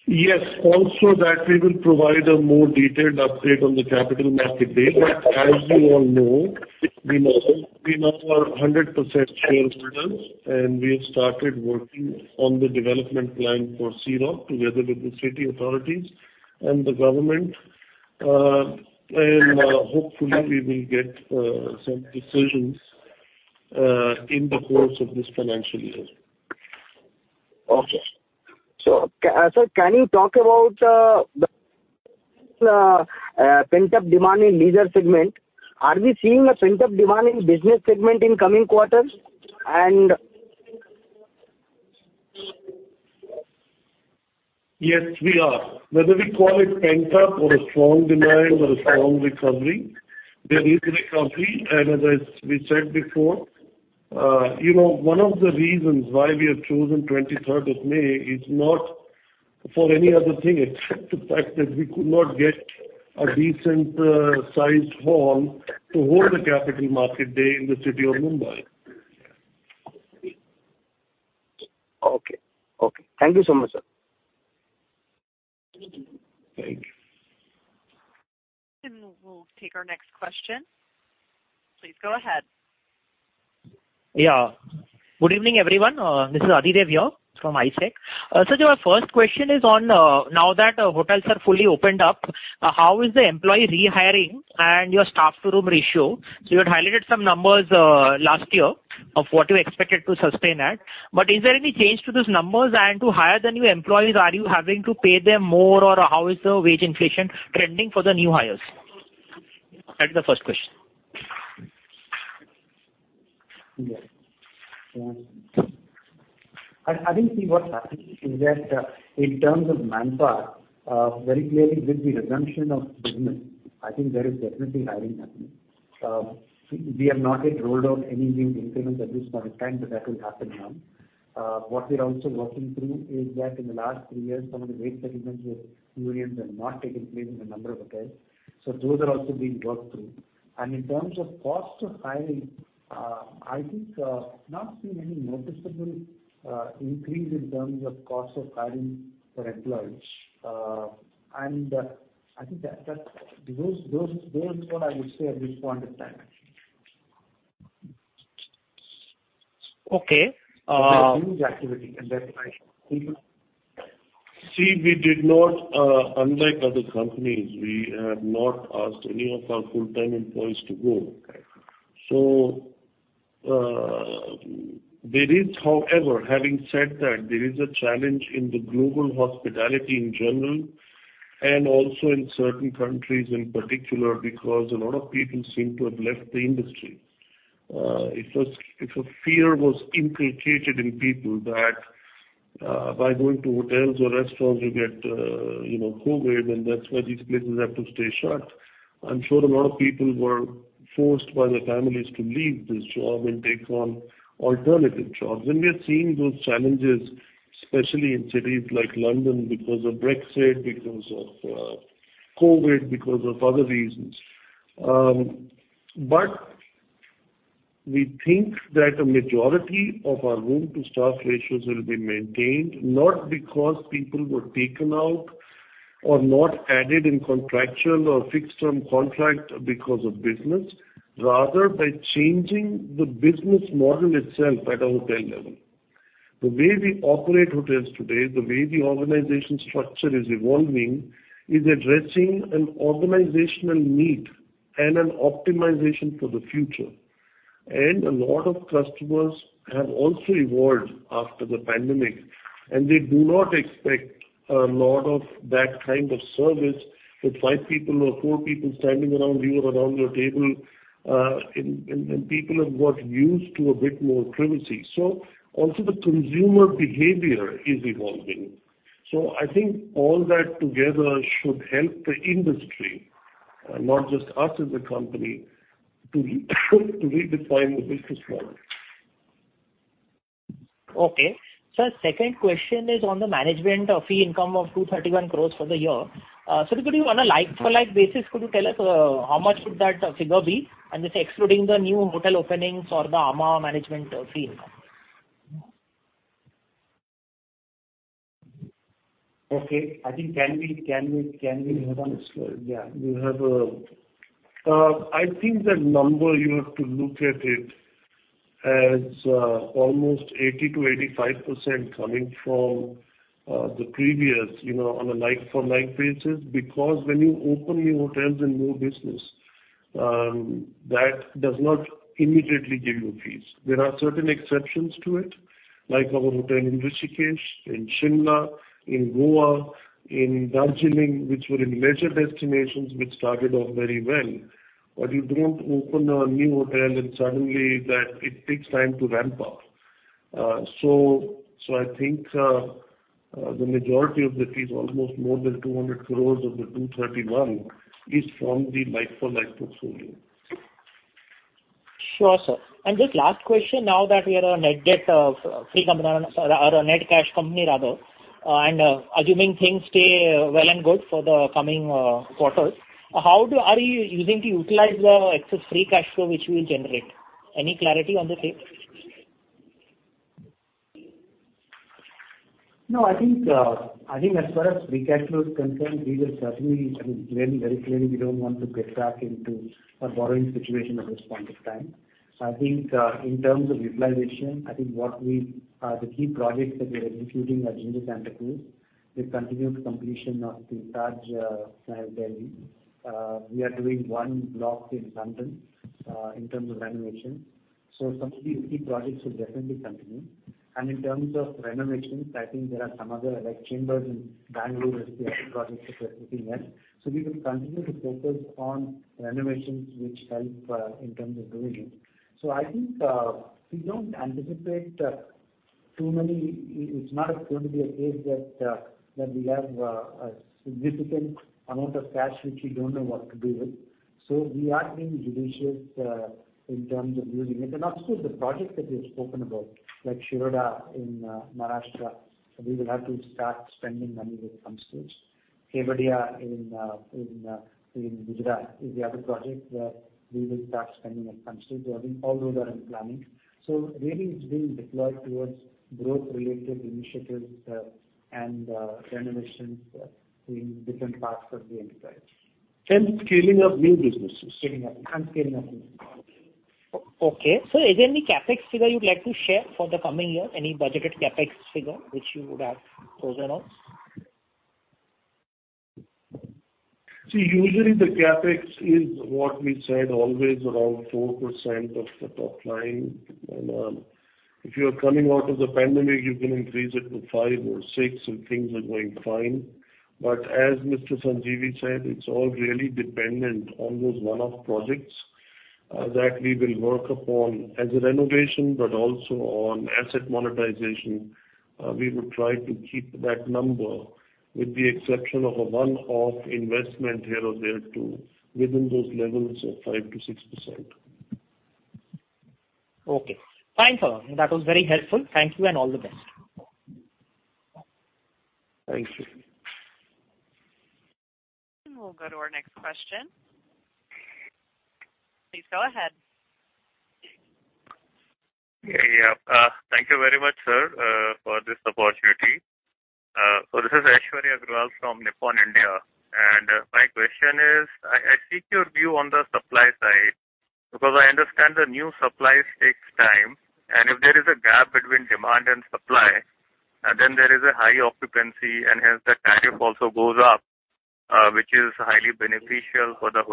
Yes. Also that we will provide a more detailed update on the Capital Markets Day. As you all know, we now are 100% shareholders, and we have started working on the development plan for Sea Rock together with the city authorities and the government. Hopefully we will get some decisions in the course of this financial year. Okay. Sir, can you talk about the pent-up demand in leisure segment? Are we seeing a pent-up demand in business segment in coming quarters and Yes, we are. Whether we call it pent-up or a strong demand or a strong recovery, there is recovery. As we said before, one of the reasons why we have chosen twenty-third of May is not for any other thing. It's the fact that we could not get a decent sized hall to hold the Capital Markets Day in the city of Mumbai. Okay. Okay. Thank you so much, sir. Thank you. We'll take our next question. Please go ahead. Yeah. Good evening, everyone. This is Adhidev here from ICICI. Our first question is on, now that hotels are fully opened up, how is the employee rehiring and your staff-to-room ratio? You had highlighted some numbers last year of what you expected to sustain at. Is there any change to those numbers? To hire the new employees, are you having to pay them more, or how is the wage inflation trending for the new hires? That's the first question. Yeah. I think see what's happening is that in terms of manpower, very clearly with the resumption of business, I think there is definitely hiring happening. We have not yet rolled out any wage increments at this point in time, but that will happen now. What we're also working through is that in the last three years, some of the wage settlements with unions have not taken place in a number of hotels, so those are also being worked through. In terms of cost of hiring, I think not seen any noticeable increase in terms of cost of hiring for employees. I think that's what I would say at this point in time. Okay. There is huge activity and that's why. See, we did not, unlike other companies, we have not asked any of our full-time employees to go. Right. There is however, having said that, there is a challenge in the global hospitality in general and also in certain countries in particular because a lot of people seem to have left the industry. If a fear was inculcated in people that, by going to hotels or restaurants you get, you know, COVID, and that's why these places have to stay shut. I'm sure a lot of people were forced by their families to leave this job and take on alternative jobs. We are seeing those challenges, especially in cities like London because of Brexit, because of, COVID, because of other reasons. We think that a majority of our room-to-staff ratios will be maintained, not because people were taken out or not added in contractual or fixed-term contract because of business, rather by changing the business model itself at a hotel level. The way we operate hotels today, the way the organization structure is evolving, is addressing an organizational need and an optimization for the future. A lot of customers have also evolved after the pandemic, and they do not expect a lot of that kind of service with five people or four people standing around you or around your table, and people have got used to a bit more privacy. Also the consumer behavior is evolving. I think all that together should help the industry, not just us as a company, to redefine the business model. Sir, second question is on the management fee income of 231 crores for the year. Could you on a like-for-like basis tell us how much would that figure be? This excluding the new hotel openings or the Amã management fee income. I think that number you have to look at it as almost 80%-85% coming from the previous, you know, on a like-for-like basis. Because when you open new hotels and new business, that does not immediately give you fees. There are certain exceptions to it, like our hotel in Rishikesh, in Shimla, in Goa, in Darjeeling, which were in leisure destinations which started off very well. But you don't open a new hotel and suddenly that it takes time to ramp up. So I think the majority of the fees, almost more than 200 crore of the 231 crore is from the like-for-like portfolio. Sure, sir. Just last question, now that we are a net debt-free company or a net cash company rather, and assuming things stay well and good for the coming quarters, how do you plan to utilize the excess free cash flow which you will generate? Any clarity on the same? No, I think as far as free cash flow is concerned, we will certainly, I mean, very, very clearly we don't want to get back into a borrowing situation at this point of time. I think in terms of utilization, the key projects that we are executing are Jinriksha and The Koo. We continue the completion of the Taj Delhi. We are doing one block in London in terms of renovation. Some of these key projects will definitely continue. In terms of renovations, I think there are some other like The Chambers in Bangalore is the other project which we are sitting on. We will continue to focus on renovations which help in terms of revenue. I think we don't anticipate too many. It's not going to be a case that we have a significant amount of cash which we don't know what to do with. We are being judicious in terms of using it. Of course, the projects that we have spoken about, like Shiroda in Maharashtra, we will have to start spending money at some stage. Kevadia in Gujarat is the other project where we will start spending at some stage. I think all those are in planning. Really it's being deployed towards growth-related initiatives and renovations in different parts of the enterprise. Scaling of new businesses. Scaling up, yes. Okay. Sir, is there any CapEx figure you'd like to share for the coming year? Any budgeted CapEx figure which you would have closed on? See, usually the CapEx is what we said always around 4% of the top line. If you are coming out of the pandemic, you can increase it to five or six if things are going fine. As Mr. Sanjeevi said, it's all really dependent on those one-off projects that we will work upon as a renovation, but also on asset monetization. We would try to keep that number with the exception of a one-off investment here or there to within those levels of 5%-6%. Okay. Thanks, sir. That was very helpful. Thank you and all the best. Thank you. We'll go to our next question. Please go ahead. Yeah. Thank you very much, sir, for this opportunity. So this is Aishwarya Agarwal from Nippon India. My question is, I seek your view on the supply side, because I understand the new supply takes time, and if there is a gap between demand and supply, then there is a high occupancy and hence the tariff also goes up, which is highly beneficial for the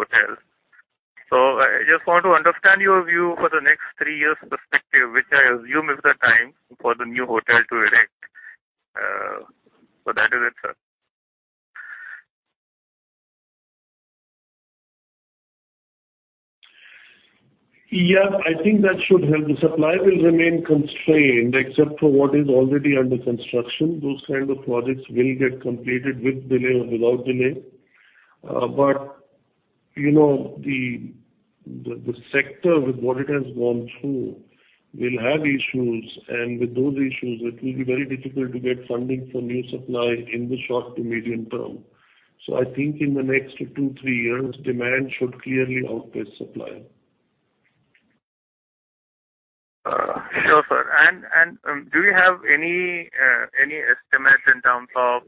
hotels. I just want to understand your view for the next three years perspective, which I assume is the time for the new hotel to erect. That is it, sir. Yeah, I think that should help. The supply will remain constrained except for what is already under construction. Those kinds of projects will get completed with delay or without delay. You know, the sector with what it has gone through will have issues, and with those issues it will be very difficult to get funding for new supply in the short to medium term. I think in the next 2-3 years, demand should clearly outpace supply. Sure sir. Do you have any estimate in terms of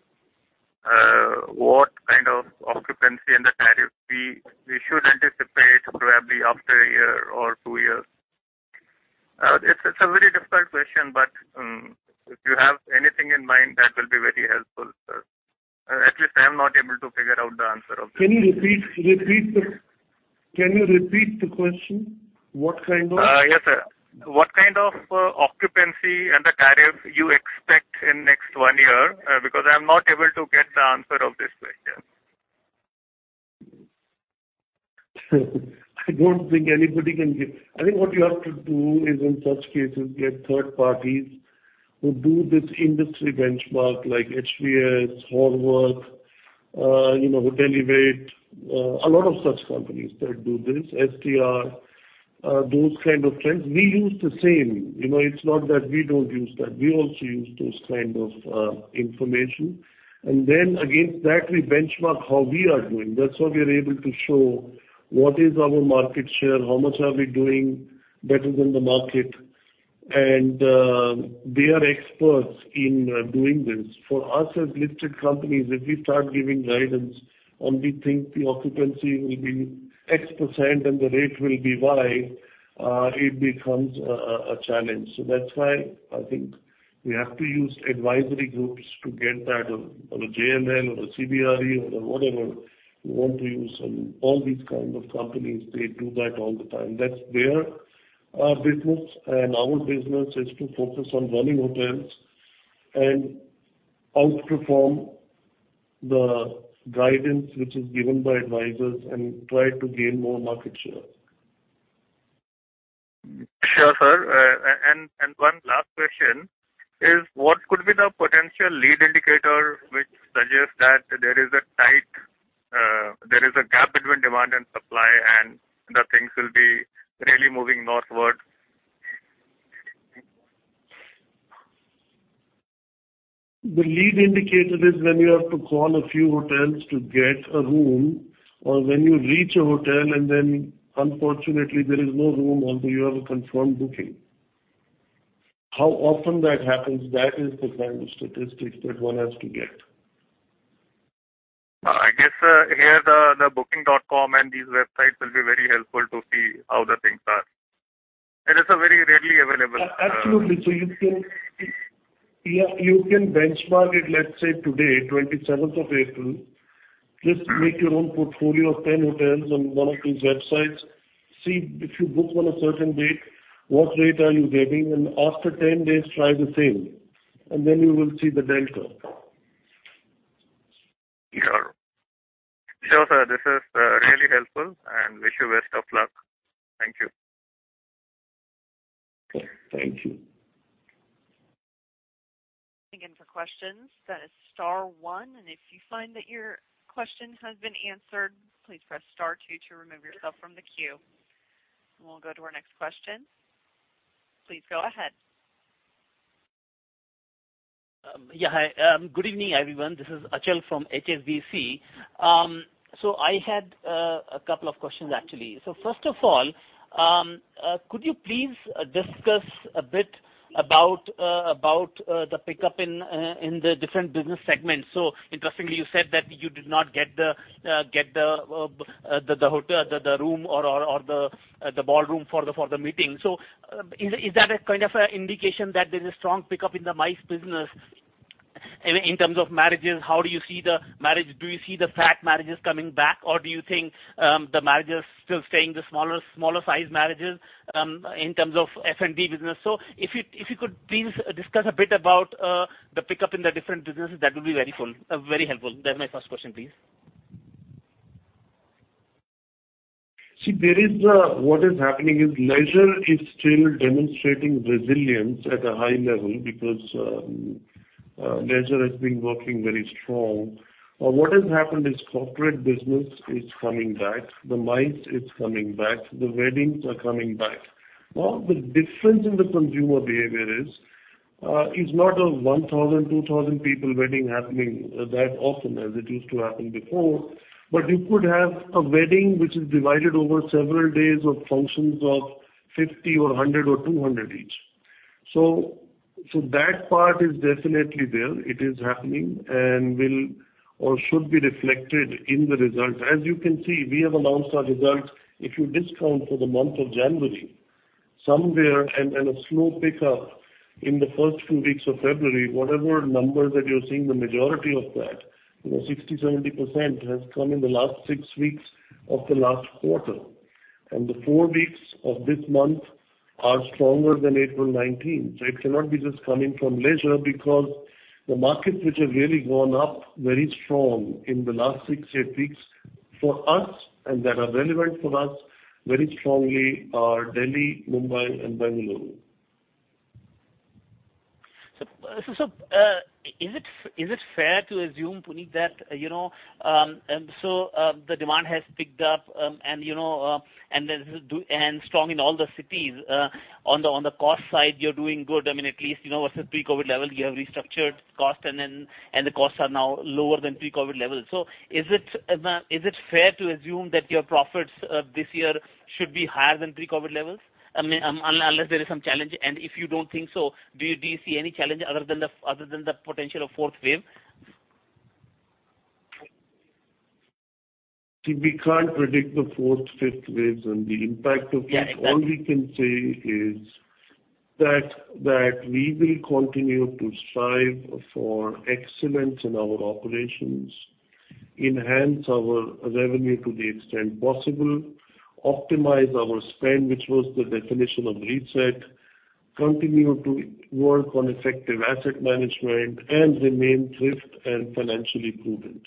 what kind of occupancy and the tariff we should anticipate probably after a year or two years? It's a very difficult question, but if you have anything in mind that will be very helpful. I am not able to figure out the answer of this. Can you repeat the question? Yes, sir. What kind of occupancy and the tariff you expect in next one year? Because I'm not able to get the answer of this question. I don't think anybody can give. I think what you have to do is in such cases get third parties who do this industry benchmark like HVS, Horwath, you know, Hotelivate, a lot of such companies that do this, STR, those kind of trends. We use the same. You know, it's not that we don't use that. We also use those kind of information. Then against that we benchmark how we are doing. That's how we are able to show what is our market share, how much are we doing better than the market. They are experts in doing this. For us as listed companies, if we start giving guidance and we think the occupancy will be X% and the rate will be Y, it becomes a challenge. that's why I think we have to use advisory groups to get that or a JLL or a CBRE or whatever you want to use. All these kind of companies, they do that all the time. That's their business. Our business is to focus on running hotels and outperform the guidance which is given by advisors and try to gain more market share. Sure, sir. One last question is what could be the potential lead indicator which suggests that there is a gap between demand and supply and the things will be really moving northward? The lead indicator is when you have to call a few hotels to get a room or when you reach a hotel and then unfortunately there is no room although you have a confirmed booking. How often that happens? That is the kind of statistics that one has to get. I guess, here the Booking.com and these websites will be very helpful to see how the things are. It's a very readily available, Absolutely. Yeah, you can benchmark it, let's say today, twenty-seventh of April. Just make your own portfolio of 10 hotels on one of these websites. See if you book on a certain date, what rate are you getting? After 10 days try the same, and then you will see the delta. Sure, sir. This is really helpful, and wish you best of luck. Thank you. Okay. Thank you. Again for questions, that is star one, and if you find that your question has been answered, please press star two to remove yourself from the queue. We'll go to our next question. Please go ahead. Yeah. Hi. Good evening, everyone. This is Achal from HSBC. I had a couple of questions actually. First of all, could you please discuss a bit about the pickup in the different business segments? Interestingly, you said that you did not get the hotel, the room or the ballroom for the meeting. Is that a kind of indication that there's a strong pickup in the MICE business? I mean, in terms of marriages, how do you see the marriage? Do you see the fat marriages coming back, or do you think the marriage is still staying the smaller sized marriages in terms of F&B business? If you could please discuss a bit about the pickup in the different businesses, that would be very useful. That's my first question, please. What is happening is leisure is still demonstrating resilience at a high level because leisure has been working very strong. What has happened is corporate business is coming back, the MICE is coming back, the weddings are coming back. Now the difference in the consumer behavior is, it's not a 1,000, 2,000 people wedding happening that often as it used to happen before, but you could have a wedding which is divided over several days of functions of 50 or 100 or 200 each. That part is definitely there. It is happening and will or should be reflected in the results. As you can see, we have announced our results. If you discount for the month of January somewhere and a slow pickup in the first two weeks of February, whatever numbers that you're seeing, the majority of that, you know, 60%-70% has come in the last six weeks of the last quarter. The four weeks of this month are stronger than April 2019. It cannot be just coming from leisure because the markets which have really gone up very strong in the last six, eight weeks for us and that are relevant for us very strongly are Delhi, Mumbai and Bengaluru. Is it fair to assume, Puneet, that the demand has picked up and demand is strong in all the cities? On the cost side, you're doing good. I mean, at least what's the pre-COVID level. You have restructured cost and the costs are now lower than pre-COVID level. Is it fair to assume that your profits this year should be higher than pre-COVID levels? I mean, unless there is some challenge. If you don't think so, do you see any challenge other than the potential of fourth wave? See, we can't predict the 4th, 5th waves and the impact of that. Yes. All we can say is that we will continue to strive for excellence in our operations, enhance our revenue to the extent possible, optimize our spend, which was the definition of reset, continue to work on effective asset management, and remain thrift and financially prudent.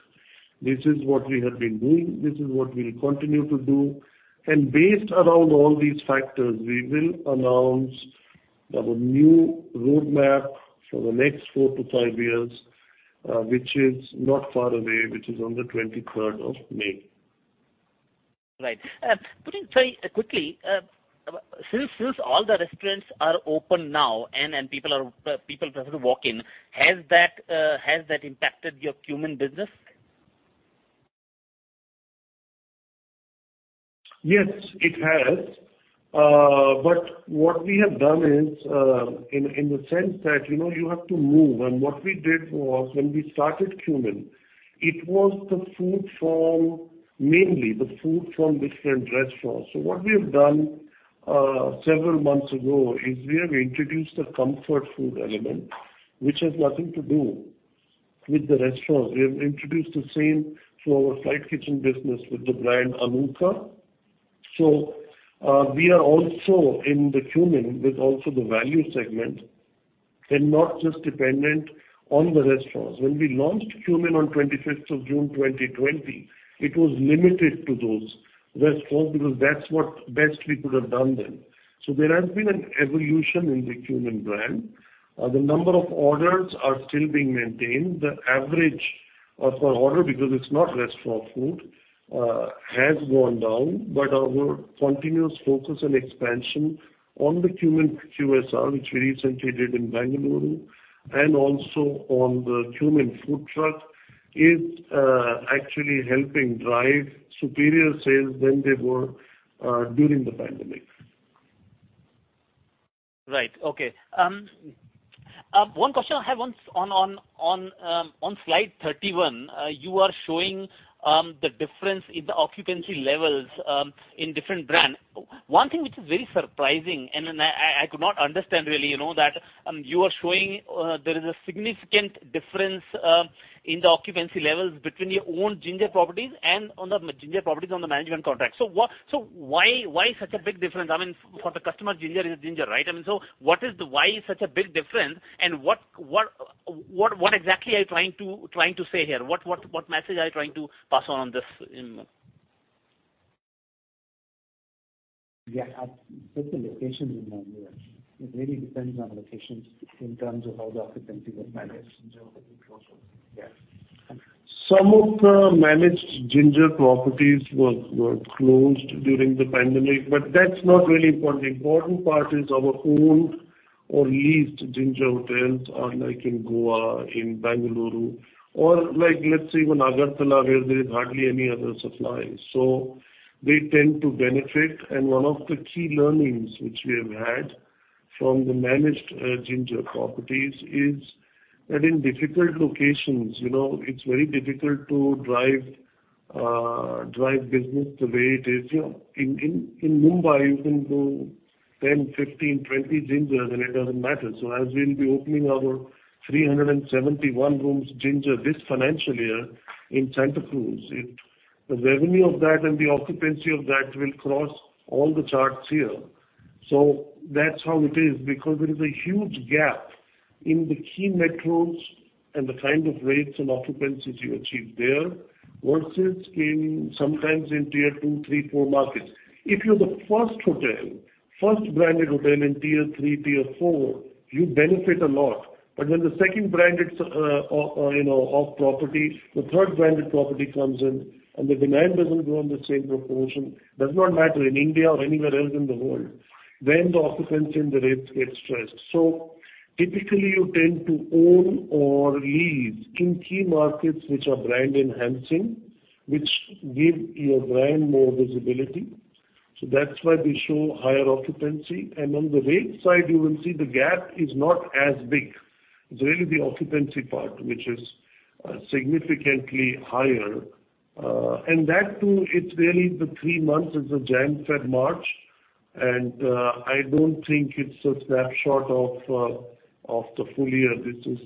This is what we have been doing, this is what we'll continue to do. Based around all these factors, we will announce our new roadmap for the next 4-5 years, which is not far away, which is on the 23rd of May. Right. Could you say quickly, since all the restaurants are open now and people prefer to walk in, has that impacted your Qmin business? Yes, it has. What we have done is, in the sense that, you know, you have to move. What we did was when we started Qmin, it was mainly the food from different restaurants. What we have done, several months ago is we have introduced a comfort food element, which has nothing to do with the restaurant. We have introduced the same to our flight kitchen business with the brand Anuka. We are also in the Qmin with also the value segment, and not just dependent on the restaurants. When we launched Qmin on twenty-fifth of June 2020, it was limited to those restaurants because that's the best we could have done then. There has been an evolution in the Qmin brand. The number of orders are still being maintained. The average of our order, because it's not restaurant food, has gone down. Our continuous focus and expansion on the Qmin QSR, which we recently did in Bengaluru, and also on the Qmin food truck is actually helping drive superior sales than they were during the pandemic. Right. Okay. One question I have on slide 31, you are showing the difference in the occupancy levels in different brand. One thing which is very surprising and then I could not understand really, you know, that you are showing there is a significant difference in the occupancy levels between your own Ginger properties and on the Ginger properties on the management contract. So why such a big difference? I mean, for the customer, Ginger is Ginger, right? I mean, so what is the? Why such a big difference and what exactly are you trying to say here? What message are you trying to pass on on this in. Yeah. At different locations in India. It really depends on locations in terms of how the occupancy gets managed in terms of the closure. Yeah. Some of the managed Ginger properties were closed during the pandemic, but that's not really important. The important part is our owned or leased Ginger hotels are like in Goa, in Bengaluru, or like let's say even Agartala where there is hardly any other supply. They tend to benefit. One of the key learnings which we have had from the managed Ginger properties is that in difficult locations, you know, it's very difficult to drive business the way it is. You know, in Mumbai you can do 10, 15, 20 Gingers and it doesn't matter. As we'll be opening our 371-room Ginger this financial year in Santa Cruz, the revenue of that and the occupancy of that will cross all the charts here. That's how it is because there is a huge gap in the key metros and the kind of rates and occupancies you achieve there versus in sometimes in tier two, three, four markets. If you're the first hotel, first branded hotel in tier three, tier four, you benefit a lot. But when the second branded property, the third branded property comes in and the demand doesn't grow in the same proportion, does not matter in India or anywhere else in the world, then the occupancy and the rates get stressed. Typically you tend to own or lease in key markets which are brand enhancing, which give your brand more visibility. That's why we show higher occupancy. And on the rate side you will see the gap is not as big. It's really the occupancy part which is significantly higher. That too, it's really the three months is the January, February, March. I don't think it's a snapshot of the full year. This is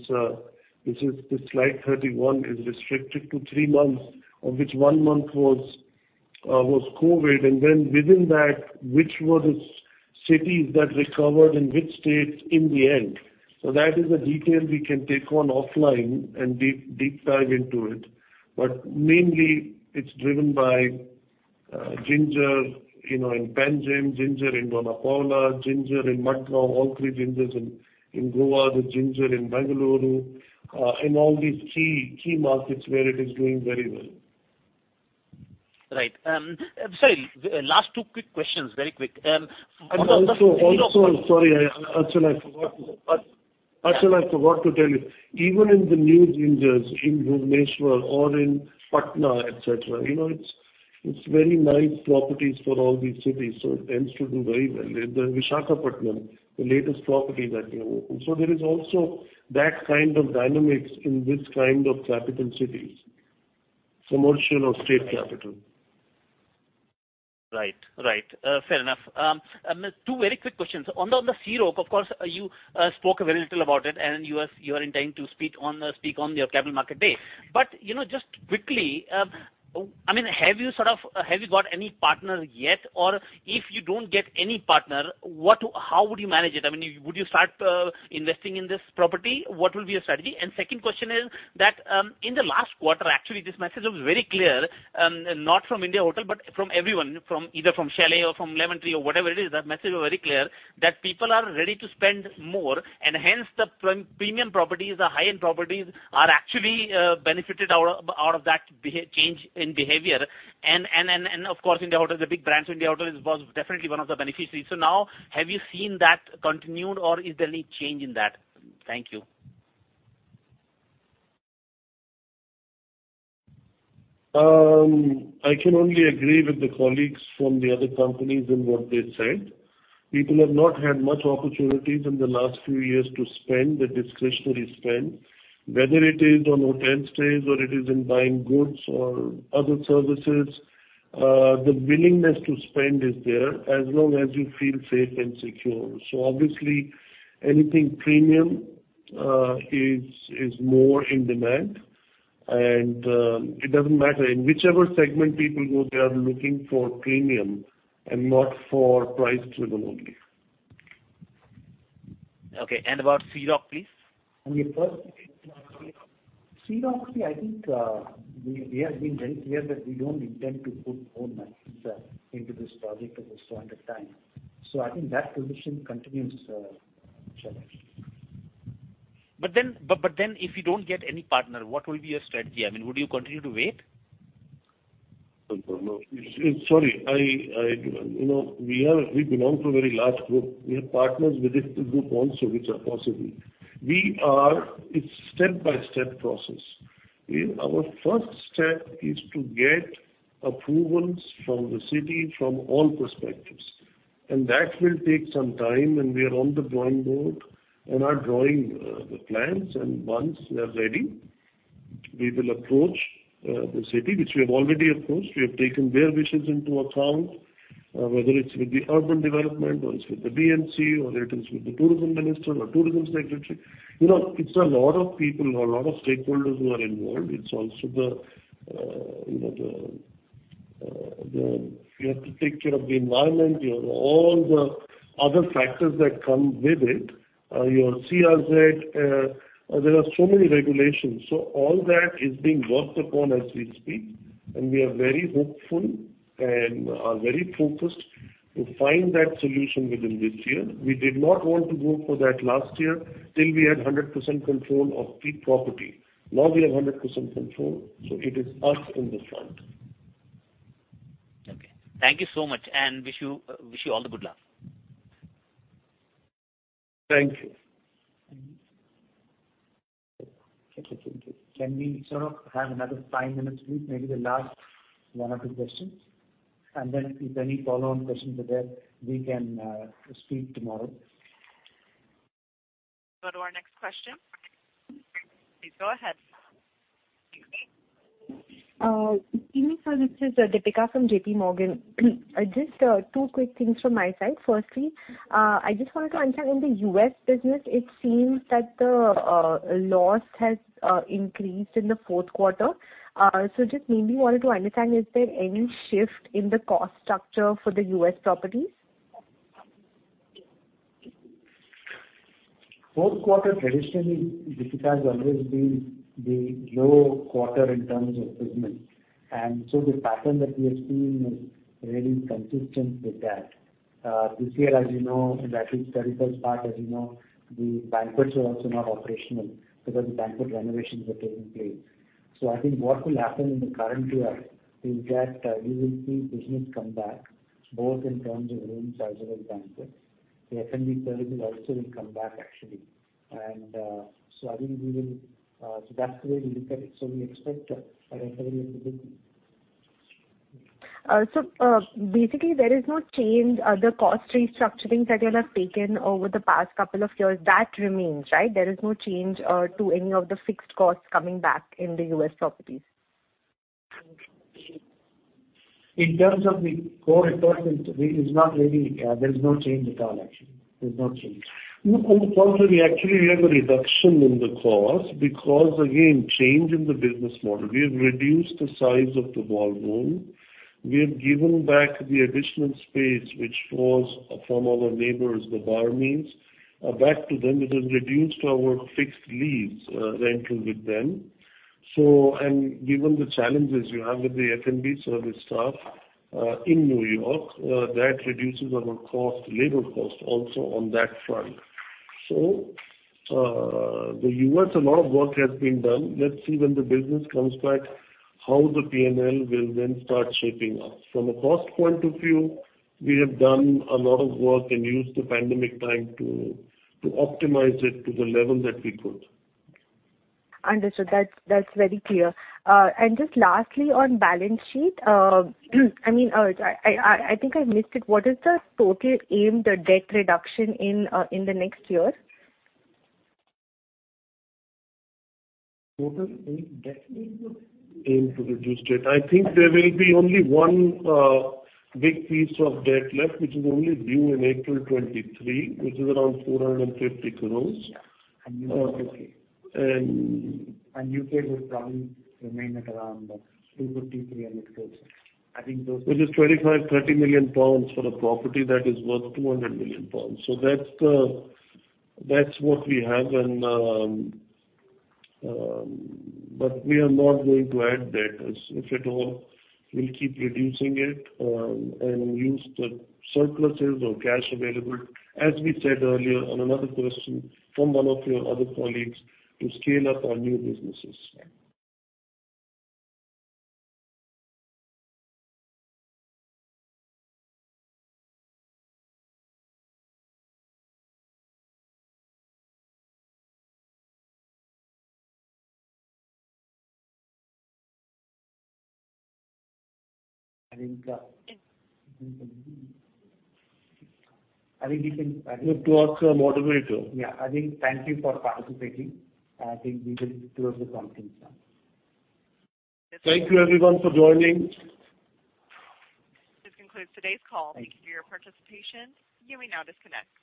the slide 31 is restricted to three months, of which one month was COVID. Then within that, which were the cities that recovered and which states in the end. That is a detail we can take on offline and deep dive into it. But mainly it's driven by Ginger, you know, in Panjim, Ginger in Dona Paula, Ginger in Madgaon, all three Gingers in Goa, the Ginger in Bengaluru, in all these key markets where it is doing very well. Right. Sorry, last two quick questions, very quick. Also, sorry, Archana, I forgot to. Yeah. I forgot to tell you, even in the new Gingers in Bhubaneswar or in Patna, et cetera, you know, it's very nice properties for all these cities, so it tends to do very well. The Visakhapatnam, the latest property that we have opened. There is also that kind of dynamics in this kind of capital cities, commercial or state capital. Right. Fair enough. Two very quick questions. On the Sea Rock, of course, you spoke very little about it, and you are intending to speak on your Capital Markets Day. You know, just quickly, I mean, have you got any partner yet? Or if you don't get any partner, how would you manage it? I mean, would you start investing in this property? What will be your strategy? Second question is that, in the last quarter, actually, this message was very clear, not from Indian Hotels, but from everyone, from either Chalet Hotels or from Lemon Tree Hotels or whatever it is, that message was very clear that people are ready to spend more, and hence the premium properties, the high-end properties are actually benefited out of that behavior change. Of course, Indian Hotels is a big brand, so Indian Hotels was definitely one of the beneficiaries. Now, have you seen that continued, or is there any change in that? Thank you. I can only agree with the colleagues from the other companies in what they said. People have not had much opportunities in the last few years to spend the discretionary spend, whether it is on hotel stays or it is in buying goods or other services. The willingness to spend is there as long as you feel safe and secure. Obviously anything premium is more in demand, and it doesn't matter. In whichever segment people go, they are looking for premium and not for price driven only. Okay. About Sea Rock, please? The first question on Sea Rock. Sea Rock, I think, we have been very clear that we don't intend to put own monies into this project at this point of time. I think that position continues, Shailesh. If you don't get any partner, what will be your strategy? I mean, would you continue to wait? Sorry, I. You know, we belong to a very large group. We have partners within the group also which are possible. It's step-by-step process. Our first step is to get approvals from the city, from all perspectives, and that will take some time. We are on the drawing board and are drawing the plans. Once we are ready, we will approach the city, which we have already approached. We have taken their wishes into account, whether it's with the urban development or it's with the BMC or it is with the tourism minister or tourism secretary. You know, it's a lot of people, a lot of stakeholders who are involved. It's also the, you know, the. You have to take care of the environment. You have all the other factors that come with it. Your CRZ. There are so many regulations. All that is being worked upon as we speak. We are very hopeful and are very focused to find that solution within this year. We did not want to go for that last year till we had 100% control of the property. Now we have 100% control, so it is us in the front. Okay. Thank you so much, and wish you all the good luck. Thank you. Thank you. Can we sort of have another five minutes, please? Maybe the last one or two questions, and then if any follow-on questions are there, we can speak tomorrow. Go to our next question. Please go ahead. This is Deepika from JPMorgan. Just two quick things from my side. Firstly, I just wanted to understand, in the U.S. business, it seems that the loss has increased in the fourth quarter. Just mainly wanted to understand, is there any shift in the cost structure for the U.S. properties? Fourth quarter traditionally, Deepika, has always been the low quarter in terms of business. The pattern that we have seen is really consistent with that. This year, as you know, actually the third quarter banquets were also not operational because the banquet renovations were taking place. I think what will happen in the current year is that we will see business come back both in terms of room nights and the banquets. The F&B services also will come back actually. That's the way we look at it. We expect our F&B to be- Basically there is no change. The cost restructurings that you'll have taken over the past couple of years, that remains, right? There is no change to any of the fixed costs coming back in the U.S. properties. In terms of the core expenses, it is not really. There is no change at all, actually. There's no change. On the contrary, actually, we have a reduction in the cost because again, change in the business model. We have reduced the size of the ballroom. We have given back the additional space which was from our neighbors, The Pierre, back to them. It has reduced our fixed lease rental with them. Given the challenges you have with the F&B service staff in New York, that reduces our cost, labor cost also on that front. The U.S., a lot of work has been done. Let's see when the business comes back, how the P&L will then start shaping up. From a cost point of view, we have done a lot of work and used the pandemic time to optimize it to the level that we could. Understood. That's very clear. Just lastly, on balance sheet, I mean, I think I missed it. What is the total aimed debt reduction in the next year? Total aimed debt. Aim to reduce debt. I think there will be only one big piece of debt left, which is only due in April 2023, which is around 450 crore. Yeah. U.K. would probably remain at around 250 crore-300 crore. Which is 25 million-30 million pounds for a property that is worth 200 million pounds. That's what we have and we are not going to add debt as if at all, we'll keep reducing it, and use the surpluses or cash available, as we said earlier on another question from one of your other colleagues, to scale up our new businesses. Yeah. I think. Thank you for participating. I think we will close the conference now. Thank you everyone for joining. This concludes today's call. Thank you for your participation. You may now disconnect.